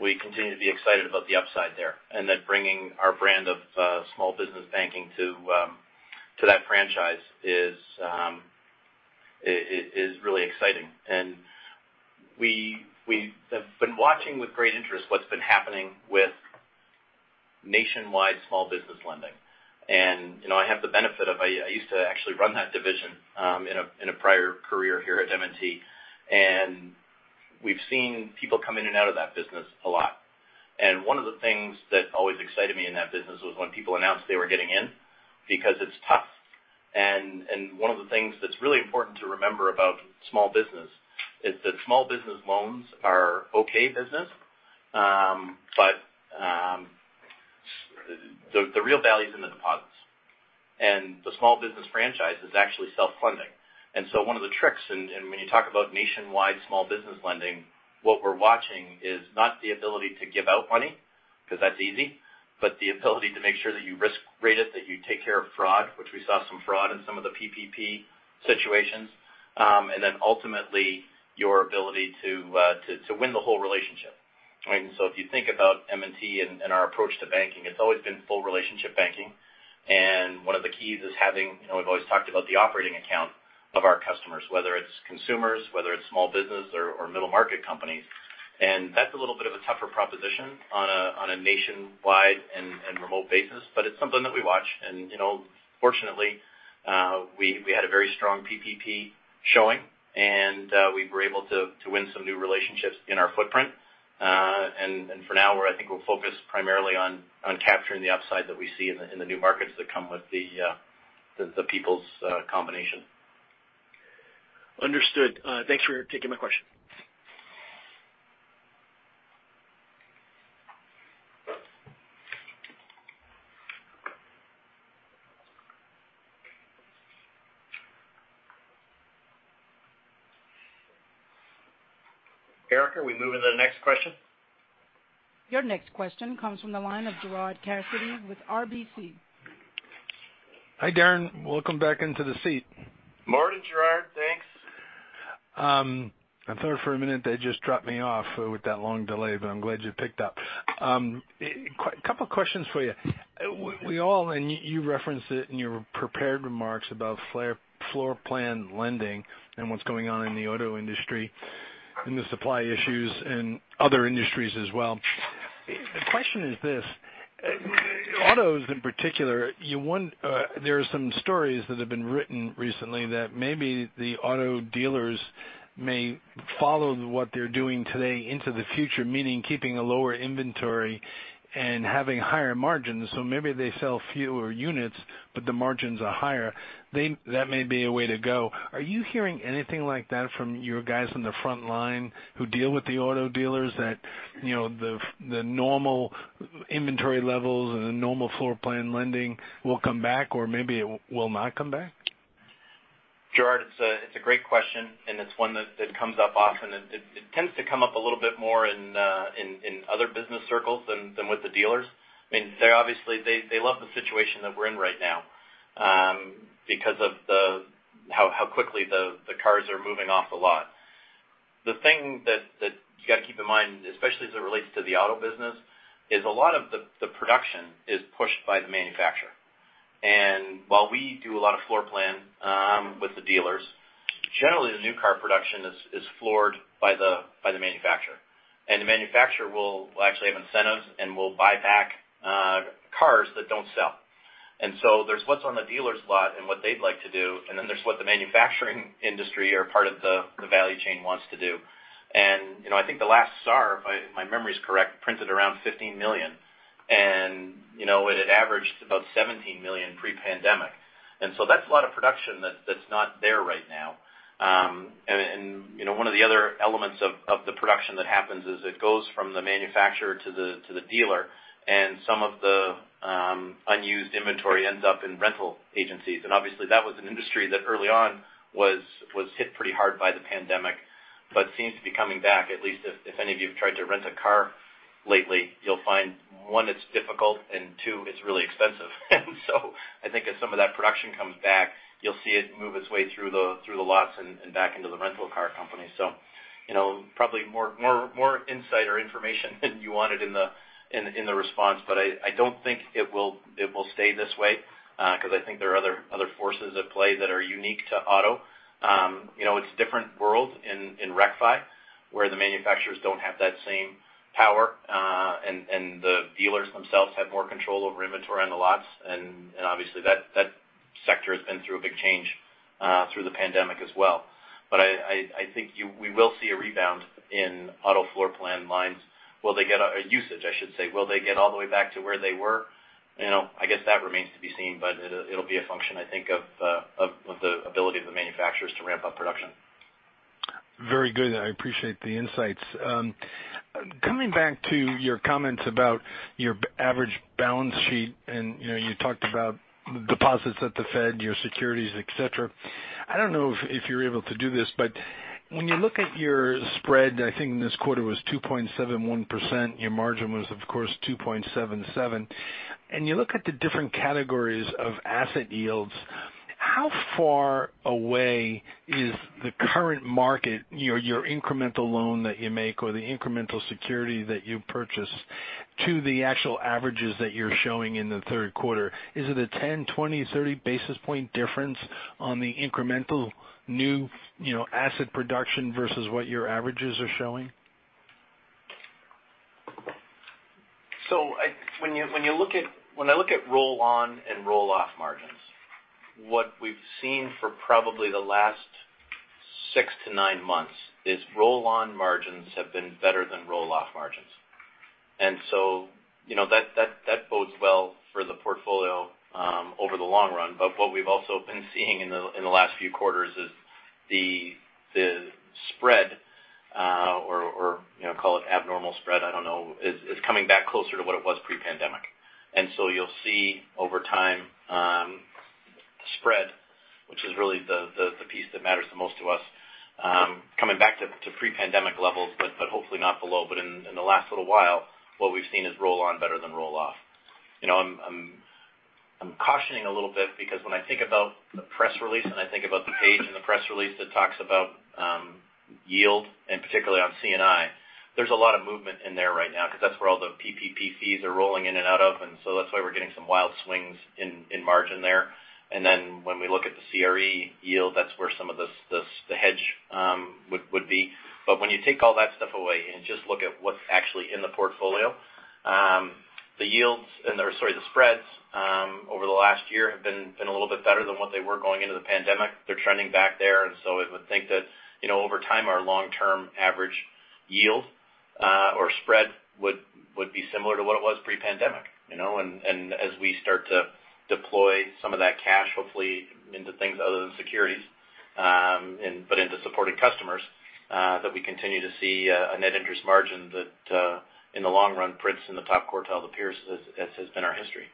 [SPEAKER 3] we continue to be excited about the upside there, and that bringing our brand of small business banking to that franchise is really exciting. We have been watching with great interest what's been happening with nationwide small business lending. I have the benefit of, I used to actually run that division in a prior career here at M&T, and we've seen people come in and out of that business a lot. One of the things that always excited me in that business was when people announced they were getting in because it's tough. One of the things that's really important to remember about small business is that small business loans are okay business. The real value is in the deposits. The small business franchise is actually self-funding. One of the tricks, and when you talk about nationwide small business lending, what we're watching is not the ability to give out money because that's easy, but the ability to make sure that you risk rate it, that you take care of fraud, which we saw some fraud in some of the PPP situations. Ultimately, your ability to win the whole relationship. If you think about M&T and our approach to banking, it's always been full relationship banking. One of the keys is having, we've always talked about the operating account of our customers, whether it's consumers, whether it's small business or middle-market companies. That's a little bit of a tougher proposition on a nationwide and remote basis, but it's something that we watch. Fortunately, we had a very strong PPP showing, and we were able to win some new relationships in our footprint. For now, I think we'll focus primarily on capturing the upside that we see in the new markets that come with the People's combination.
[SPEAKER 8] Understood. Thanks for taking my question.
[SPEAKER 3] Eric, are we moving to the next question?
[SPEAKER 1] Your next question comes from the line of Gerard Cassidy with RBC.
[SPEAKER 9] Hi, Darren. Welcome back into the seat.
[SPEAKER 3] Morning, Gerard. Thanks.
[SPEAKER 9] I thought for a minute they just dropped me off with that long delay, but I'm glad you picked up. Couple questions for you. We all, and you referenced it in your prepared remarks about floorplan lending and what's going on in the auto industry and the supply issues and other industries as well. The question is this: autos in particular, there are some stories that have been written recently that maybe the auto dealers may follow what they're doing today into the future, meaning keeping a lower inventory and having higher margins. Maybe they sell fewer units, but the margins are higher. That may be a way to go. Are you hearing anything like that from your guys on the front line who deal with the auto dealers that the normal inventory levels and the normal floorplan lending will come back, or maybe it will not come back?
[SPEAKER 3] Gerard, it's a great question. It's one that comes up often. It tends to come up a little bit more in other business circles than with the dealers. Obviously, they love the situation that we're in right now because of how quickly the cars are moving off the lot. The thing that you got to keep in mind, especially as it relates to the auto business, is a lot of the production is pushed by the manufacturer. While we do a lot of floor plan with the dealers, generally the new car production is floored by the manufacturer. The manufacturer will actually have incentives and will buy back cars that don't sell. There's what's on the dealer's lot and what they'd like to do, then there's what the manufacturing industry or part of the value chain wants to do. I think the last SAAR, if my memory is correct, printed around $15 million. It averaged about $17 million pre-pandemic. That's a lot of production that's not there right now. One of the other elements of the production that happens is it goes from the manufacturer to the dealer. Some of the unused inventory ends up in rental agencies. Obviously that was an industry that early on was hit pretty hard by the pandemic, but seems to be coming back. At least if any of you have tried to rent a car lately, you'll find, one, it's difficult, two, it's really expensive. I think as some of that production comes back, you'll see it move its way through the lots and back into the rental car company. Probably more insight or information than you wanted in the response. I don't think it will stay this way because I think there are other forces at play that are unique to auto. It's different world in RecFi, where the manufacturers don't have that same power. The dealers themselves have more control over inventory on the lots. Obviously that sector has been through a big change through the pandemic as well. I think we will see a rebound in auto floor plan lines. Will they get a usage, I should say. Will they get all the way back to where they were? I guess that remains to be seen, but it'll be a function, I think, of the ability of the manufacturers to ramp up production.
[SPEAKER 9] Very good. I appreciate the insights. Coming back to your comments about your average balance sheet. You talked about deposits at the Fed, your securities, et cetera. I don't know if you're able to do this, when you look at your spread, I think in this quarter was 2.71%, your margin was of course 2.77%. You look at the different categories of asset yields, how far away is the current market, your incremental loan that you make or the incremental security that you purchase to the actual averages that you're showing in the third quarter? Is it a 10, 20, 30 basis point difference on the incremental new asset production versus what your averages are showing?
[SPEAKER 3] When I look at roll-on and roll-off margins, what we've seen for probably the last six to nine months is roll-on margins have been better than roll-off margins. That bodes well for the portfolio over the long run. What we've also been seeing in the last few quarters is the spread or call it abnormal spread, I don't know, is coming back closer to what it was pre-pandemic. You'll see over time the spread, which is really the piece that matters the most to us coming back to pre-pandemic levels, but hopefully not below. In the last little while, what we've seen is roll-on better than roll-off. I'm cautioning a little bit because when I think about the press release and I think about the page in the press release that talks about yield, and particularly on C&I, there's a lot of movement in there right now because that's where all the PPP fees are rolling in and out of, that's why we're getting some wild swings in margin there. When we look at the CRE yield, that's where some of the hedge would be. When you take all that stuff away and just look at what's actually in the portfolio, the spreads over the last year have been a little bit better than what they were going into the pandemic. They're trending back there. I would think that over time, our long-term average yield or spread would be similar to what it was pre-pandemic. As we start to deploy some of that cash, hopefully into things other than securities but into supporting customers that we continue to see a net interest margin that in the long run prints in the top quartile of the peers as has been our history.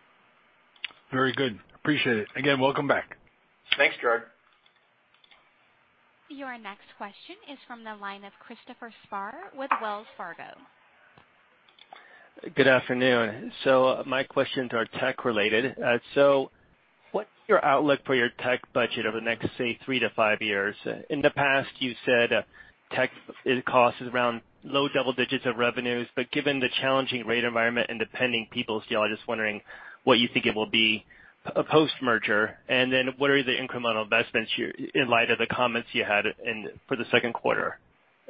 [SPEAKER 9] Very good. Appreciate it. Again, welcome back.
[SPEAKER 3] Thanks, Gerard.
[SPEAKER 1] Your next question is from the line of Mike Mayo with Wells Fargo.
[SPEAKER 10] Good afternoon. My questions are tech related. What's your outlook for your tech budget over the next, say, three to five years? In the past you said tech cost is around low double digits of revenues, but given the challenging rate environment and pending People's, still I'm just wondering what you think it will be post-merger. What are the incremental investments in light of the comments you had for the second quarter?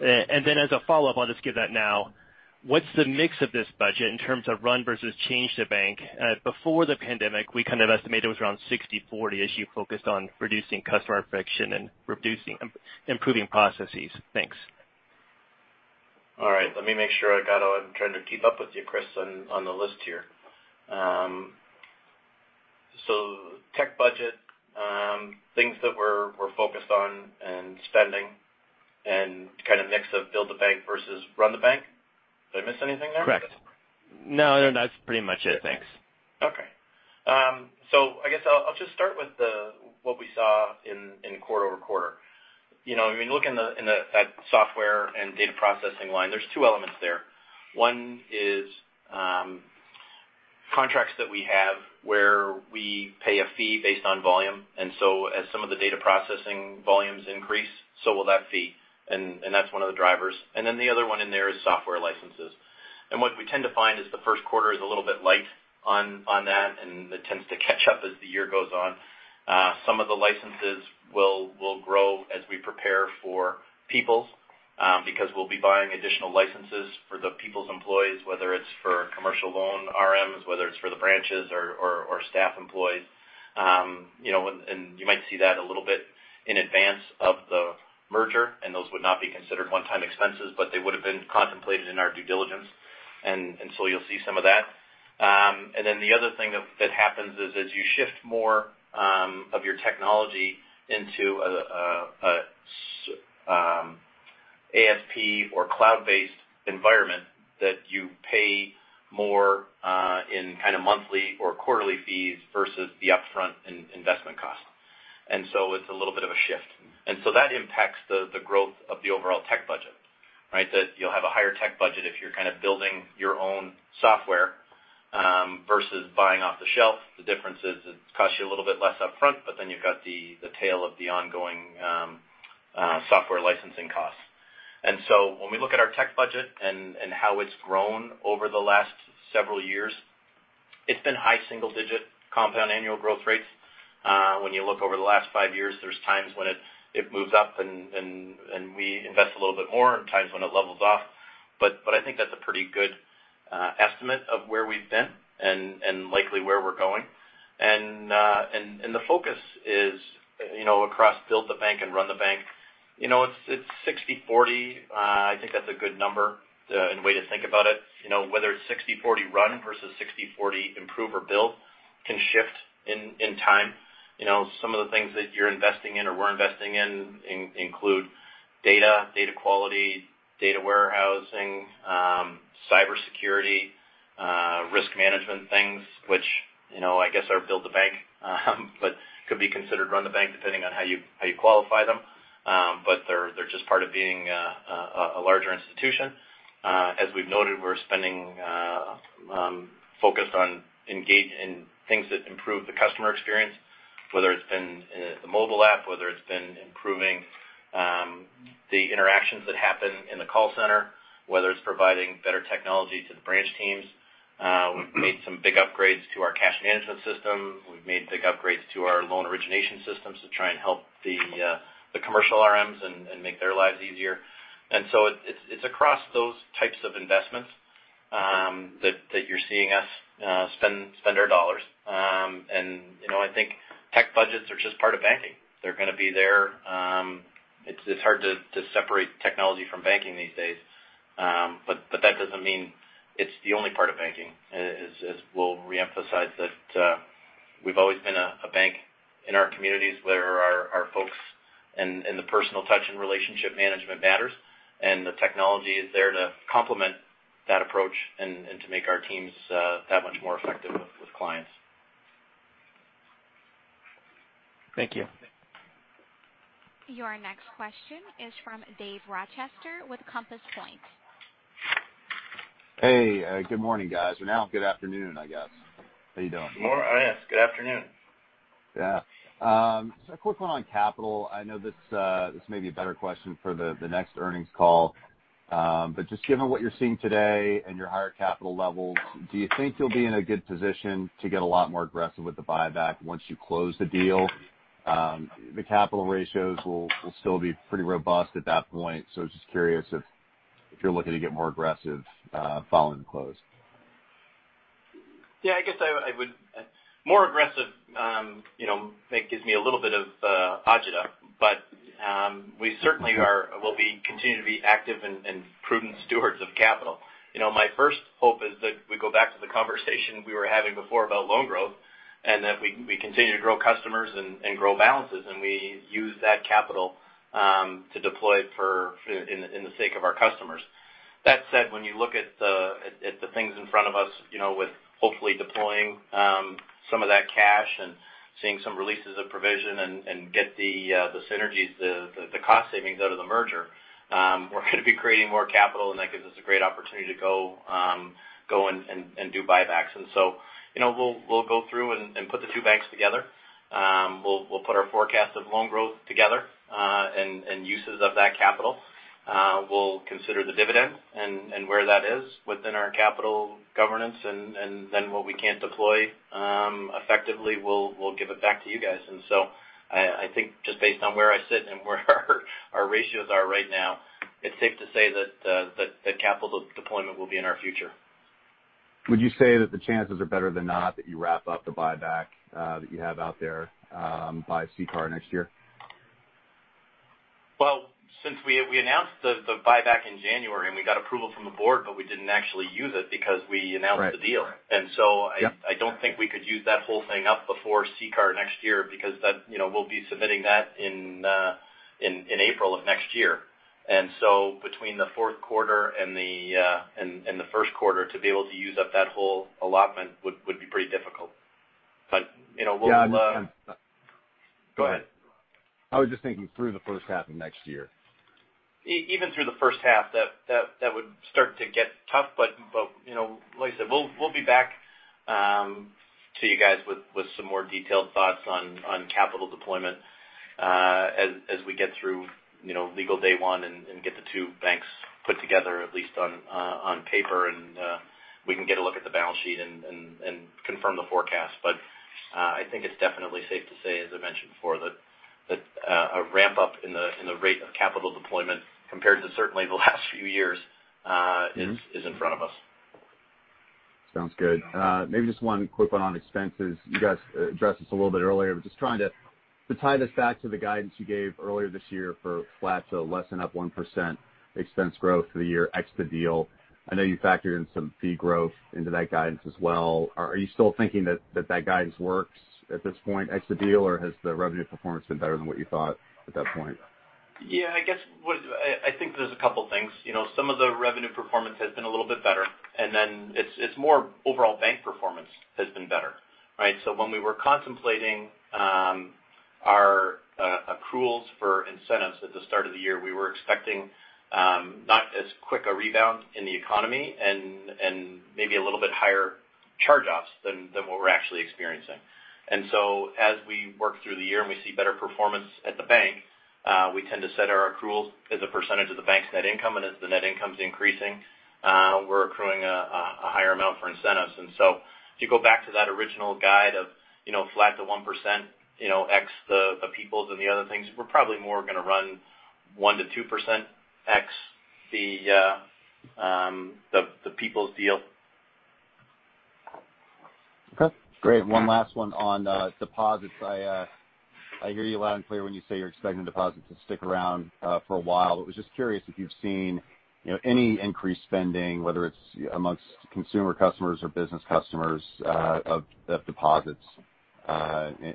[SPEAKER 10] As a follow-up, I'll just give that now. What's the mix of this budget in terms of run versus change the bank? Before the pandemic, we kind of estimated it was around 60/40 as you focused on reducing customer friction and improving processes. Thanks.
[SPEAKER 3] All right. Let me make sure I got all. I'm trying to keep up with you, Mike, on the list here. Tech budget things that we're focused on and spending and kind of mix of build the bank versus run the bank. Did I miss anything there?
[SPEAKER 10] Correct. That's pretty much it. Thanks.
[SPEAKER 3] Okay. I guess I'll just start with what we saw in quarter-over-quarter. When you look in that software and data processing line, there's two elements there. One is contracts that we have where we pay a fee based on volume. As some of the data processing volumes increase, so will that fee, and that's one of the drivers. The other one in there is software licenses. What we tend to find is the first quarter is a little bit light on that, and it tends to catch up as the year goes on. Some of the licenses will grow as we prepare for People's, because we'll be buying additional licenses for the People's employees, whether it's for commercial loan RMs, whether it's for the branches or staff employees. You might see that a little bit in advance of the merger, and those would not be considered one-time expenses, but they would've been contemplated in our due diligence. You'll see some of that. The other thing that happens is as you shift more of your technology into a ASP or cloud-based environment, that you pay more in kind of monthly or quarterly fees versus the upfront investment cost. It's a little bit of a shift. That impacts the growth of the overall tech budget, right? That you'll have a higher tech budget if you're kind of building your own software versus buying off the shelf. The difference is it costs you a little bit less upfront, you've got the tail of the ongoing software licensing costs. When we look at our tech budget and how it's grown over the last several years, it's been high single-digit compound annual growth rates. When you look over the last five years, there's times when it moves up and we invest a little bit more, and times when it levels off. I think that's a pretty good estimate of where we've been and likely where we're going. The focus is across build the bank and run the bank. It's 60/40. I think that's a good number and way to think about it. Whether it's 60/40 run versus 60/40 improve or build can shift in time. Some of the things that you're investing in or we're investing in include data quality, data warehousing, cybersecurity, risk management things, which I guess are build the bank, but could be considered run the bank depending on how you qualify them. They're just part of being a larger institution. As we've noted, we're spending focus on things that improve the customer experience, whether it's been the mobile app, whether it's been improving the interactions that happen in the call center, whether it's providing better technology to the branch teams. We've made some big upgrades to our cash management system. We've made big upgrades to our loan origination systems to try and help the commercial RMs and make their lives easier. It's across those types of investments that you're seeing us spend our dollars. I think tech budgets are just part of banking. They're going to be there. It's hard to separate technology from banking these days. That doesn't mean it's the only part of banking. As we'll reemphasize that we've always been a bank in our communities where our folks and the personal touch and relationship management matters, and the technology is there to complement that approach and to make our teams that much more effective with clients.
[SPEAKER 10] Thank you.
[SPEAKER 1] Your next question is from David Rochester with Compass Point.
[SPEAKER 11] Hey, good morning, guys, or now good afternoon, I guess. How you doing?
[SPEAKER 3] Yes, good afternoon.
[SPEAKER 11] Yeah. A quick one on capital. I know this may be a better question for the next earnings call. Just given what you're seeing today and your higher capital levels, do you think you'll be in a good position to get a lot more aggressive with the buyback once you close the deal? The capital ratios will still be pretty robust at that point, so just curious if you're looking to get more aggressive following the close.
[SPEAKER 3] Yeah, I guess more aggressive gives me a little bit of agita, but we certainly will continue to be active and prudent stewards of capital. My first hope is that we go back to the conversation we were having before about loan growth, and that we continue to grow customers and grow balances, and we use that capital to deploy for in the sake of our customers. That said, when you look at the things in front of us with hopefully deploying some of that cash and seeing some releases of provision and get the synergies, the cost savings out of the merger, we're going to be creating more capital, and that gives us a great opportunity to go and do buybacks. We'll go through and put the two banks together. We'll put our forecast of loan growth together and uses of that capital. We'll consider the dividend and where that is within our capital governance. Then what we can't deploy effectively, we'll give it back to you guys. I think just based on where I sit and where our ratios are right now, it's safe to say that capital deployment will be in our future.
[SPEAKER 11] Would you say that the chances are better than not that you wrap up the buyback that you have out there by CCAR next year?
[SPEAKER 3] Well, since we announced the buyback in January and we got approval from the board but we didn't Use it because we announced the deal.
[SPEAKER 11] Right.
[SPEAKER 3] And so I-
[SPEAKER 11] Yeah
[SPEAKER 3] I don't think we could use that whole thing up before CCAR next year because we'll be submitting that in April of next year. Between the fourth quarter and the first quarter, to be able to use up that whole allotment would be pretty difficult.
[SPEAKER 11] Yeah, I'm just.
[SPEAKER 3] Go ahead.
[SPEAKER 11] I was just thinking through the first half of next year.
[SPEAKER 3] Even through the first half, that would start to get tough. Like I said, we'll be back to you guys with some more detailed thoughts on capital deployment as we get through legal day one and get the two banks put together, at least on paper, and we can get a look at the balance sheet and confirm the forecast. I think it's definitely safe to say, as I mentioned before, that a ramp-up in the rate of capital deployment compared to certainly the last few years is in front of us.
[SPEAKER 11] Sounds good. Maybe just one quick one on expenses. You guys addressed this a little bit earlier, but just trying to tie this back to the guidance you gave earlier this year for flat to less than up 1% expense growth for the year ex the deal. I know you factored in some fee growth into that guidance as well. Are you still thinking that that guidance works at this point ex the deal, or has the revenue performance been better than what you thought at that point?
[SPEAKER 3] I think there's a couple things. Some of the revenue performance has been a little bit better, it's more overall bank performance has been better. Right? When we were contemplating our accruals for incentives at the start of the year, we were expecting not as quick a rebound in the economy and maybe a little bit higher charge-offs than what we're actually experiencing. As we work through the year and we see better performance at the bank, we tend to set our accruals as a percentage of the bank's net income. As the net income's increasing, we're accruing a higher amount for incentives. If you go back to that original guide of flat to 1%, ex the People's and the other things, we're probably more going to run 1%-2% ex the People's deal.
[SPEAKER 11] Okay, great. One last one on deposits. I hear you loud and clear when you say you're expecting deposits to stick around for a while. I was just curious if you've seen any increased spending, whether it's amongst consumer customers or business customers, of deposits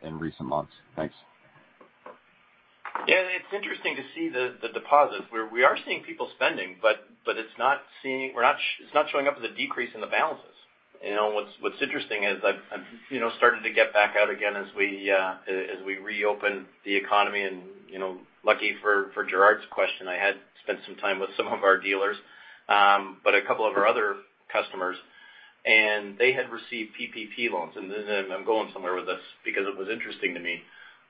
[SPEAKER 11] in recent months. Thanks.
[SPEAKER 3] It's interesting to see the deposits, where we are seeing people spending, but it's not showing up as a decrease in the balances. What's interesting is I'm starting to get back out again as we reopen the economy and lucky for Gerard's question, I had spent some time with some of our dealers. A couple of our other customers, and they had received PPP loans. I'm going somewhere with this because it was interesting to me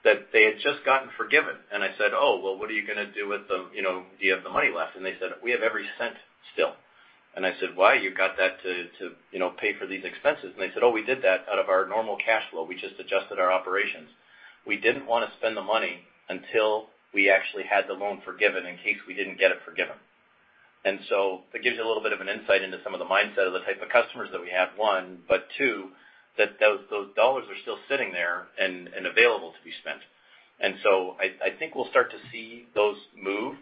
[SPEAKER 3] that they had just gotten forgiven. I said, "Well, what are you going to do with the Do you have the money left?" They said, "We have every cent still." I said, "Why? You got that to pay for these expenses." They said, "We did that out of our normal cash flow. We just adjusted our operations. We didn't want to spend the money until we actually had the loan forgiven in case we didn't get it forgiven." That gives you a little bit of an insight into some of the mindset of the type of customers that we have, one, but two, that those dollars are still sitting there and available to be spent. I think we'll start to see those move.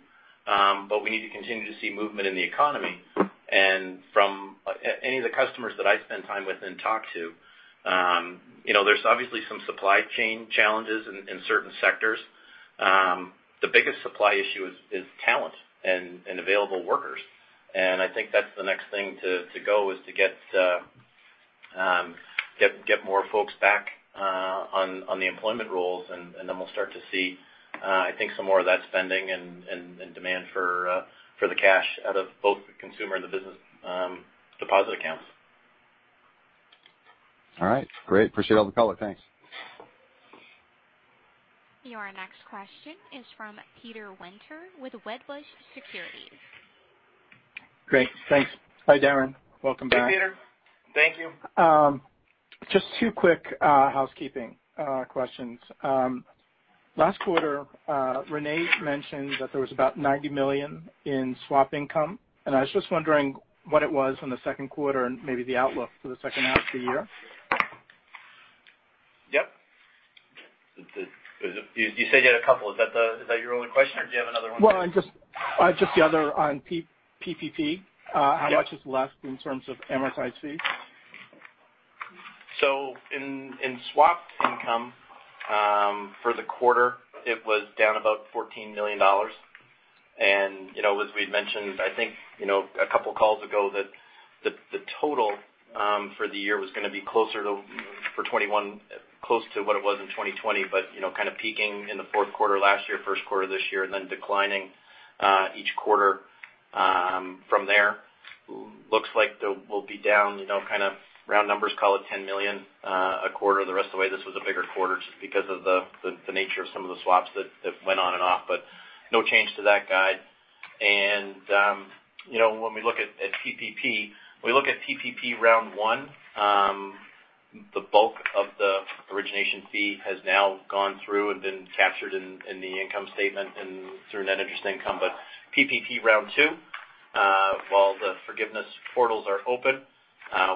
[SPEAKER 3] We need to continue to see movement in the economy. From any of the customers that I spend time with and talk to, there's obviously some supply chain challenges in certain sectors. The biggest supply issue is talent and available workers. I think that's the next thing to go, is to get more folks back on the employment rolls, and then we'll start to see some more of that spending and demand for the cash out of both the consumer and the business deposit accounts.
[SPEAKER 11] All right. Great. Appreciate all the color. Thanks.
[SPEAKER 1] Your next question is from Peter Winter with Wedbush Securities.
[SPEAKER 12] Great. Thanks. Hi, Darren. Welcome back.
[SPEAKER 3] Hey, Peter. Thank you.
[SPEAKER 12] Just two quick housekeeping questions. Last quarter, René mentioned that there was about $90 million in swap income. I was just wondering what it was on the second quarter and maybe the outlook for the second half of the year.
[SPEAKER 3] Yep. You said you had a couple. Is that your only question, or do you have another one?
[SPEAKER 12] Well, just the other on PPP.
[SPEAKER 3] Yeah.
[SPEAKER 12] How much is left in terms of amortized fees?
[SPEAKER 3] In swap income for the quarter, it was down about $14 million. As we had mentioned, I think a couple of calls ago that the total for the year was going to be closer to for 2021 close to what it was in 2020. Kind of peaking in the fourth quarter last year, first quarter this year, and then declining each quarter from there. Looks like we'll be down kind of round numbers, call it $10 million a quarter the rest of the way. This was a bigger quarter just because of the nature of some of the swaps that went on and off, but no change to that guide. When we look at PPP, we look at PPP round one the bulk of the origination fee has now gone through and been captured in the income statement and through net interest income. PPP round 2 while the forgiveness portals are open,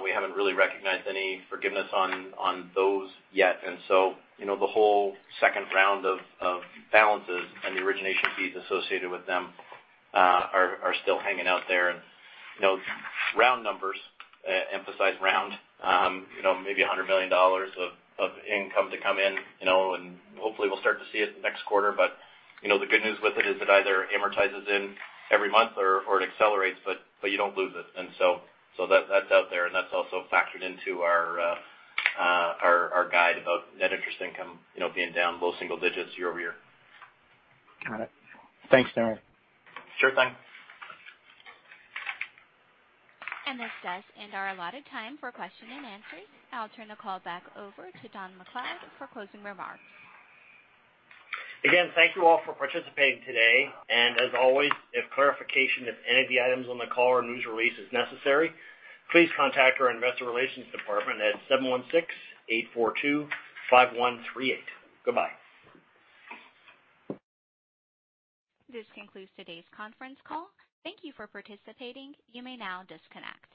[SPEAKER 3] we haven't really recognized any forgiveness on those yet. The whole 2nd round of balances and the origination fees associated with them are still hanging out there. Round numbers, emphasize round maybe $100 million of income to come in. Hopefully, we'll start to see it next quarter. The good news with it is it either amortizes in every month or it accelerates, but you don't lose it. That's out there, and that's also factored into our guide about net interest income being down low single digits year-over-year.
[SPEAKER 12] Got it. Thanks, Darren.
[SPEAKER 3] Sure thing.
[SPEAKER 1] This does end our allotted time for question and answer. I'll turn the call back over to Donald MacLeod for closing remarks.
[SPEAKER 2] Thank you all for participating today. As always, if clarification of any of the items on the call or news release is necessary, please contact our investor relations department at 716-842-5138. Goodbye.
[SPEAKER 1] This concludes today's conference call. Thank you for participating. You may now disconnect.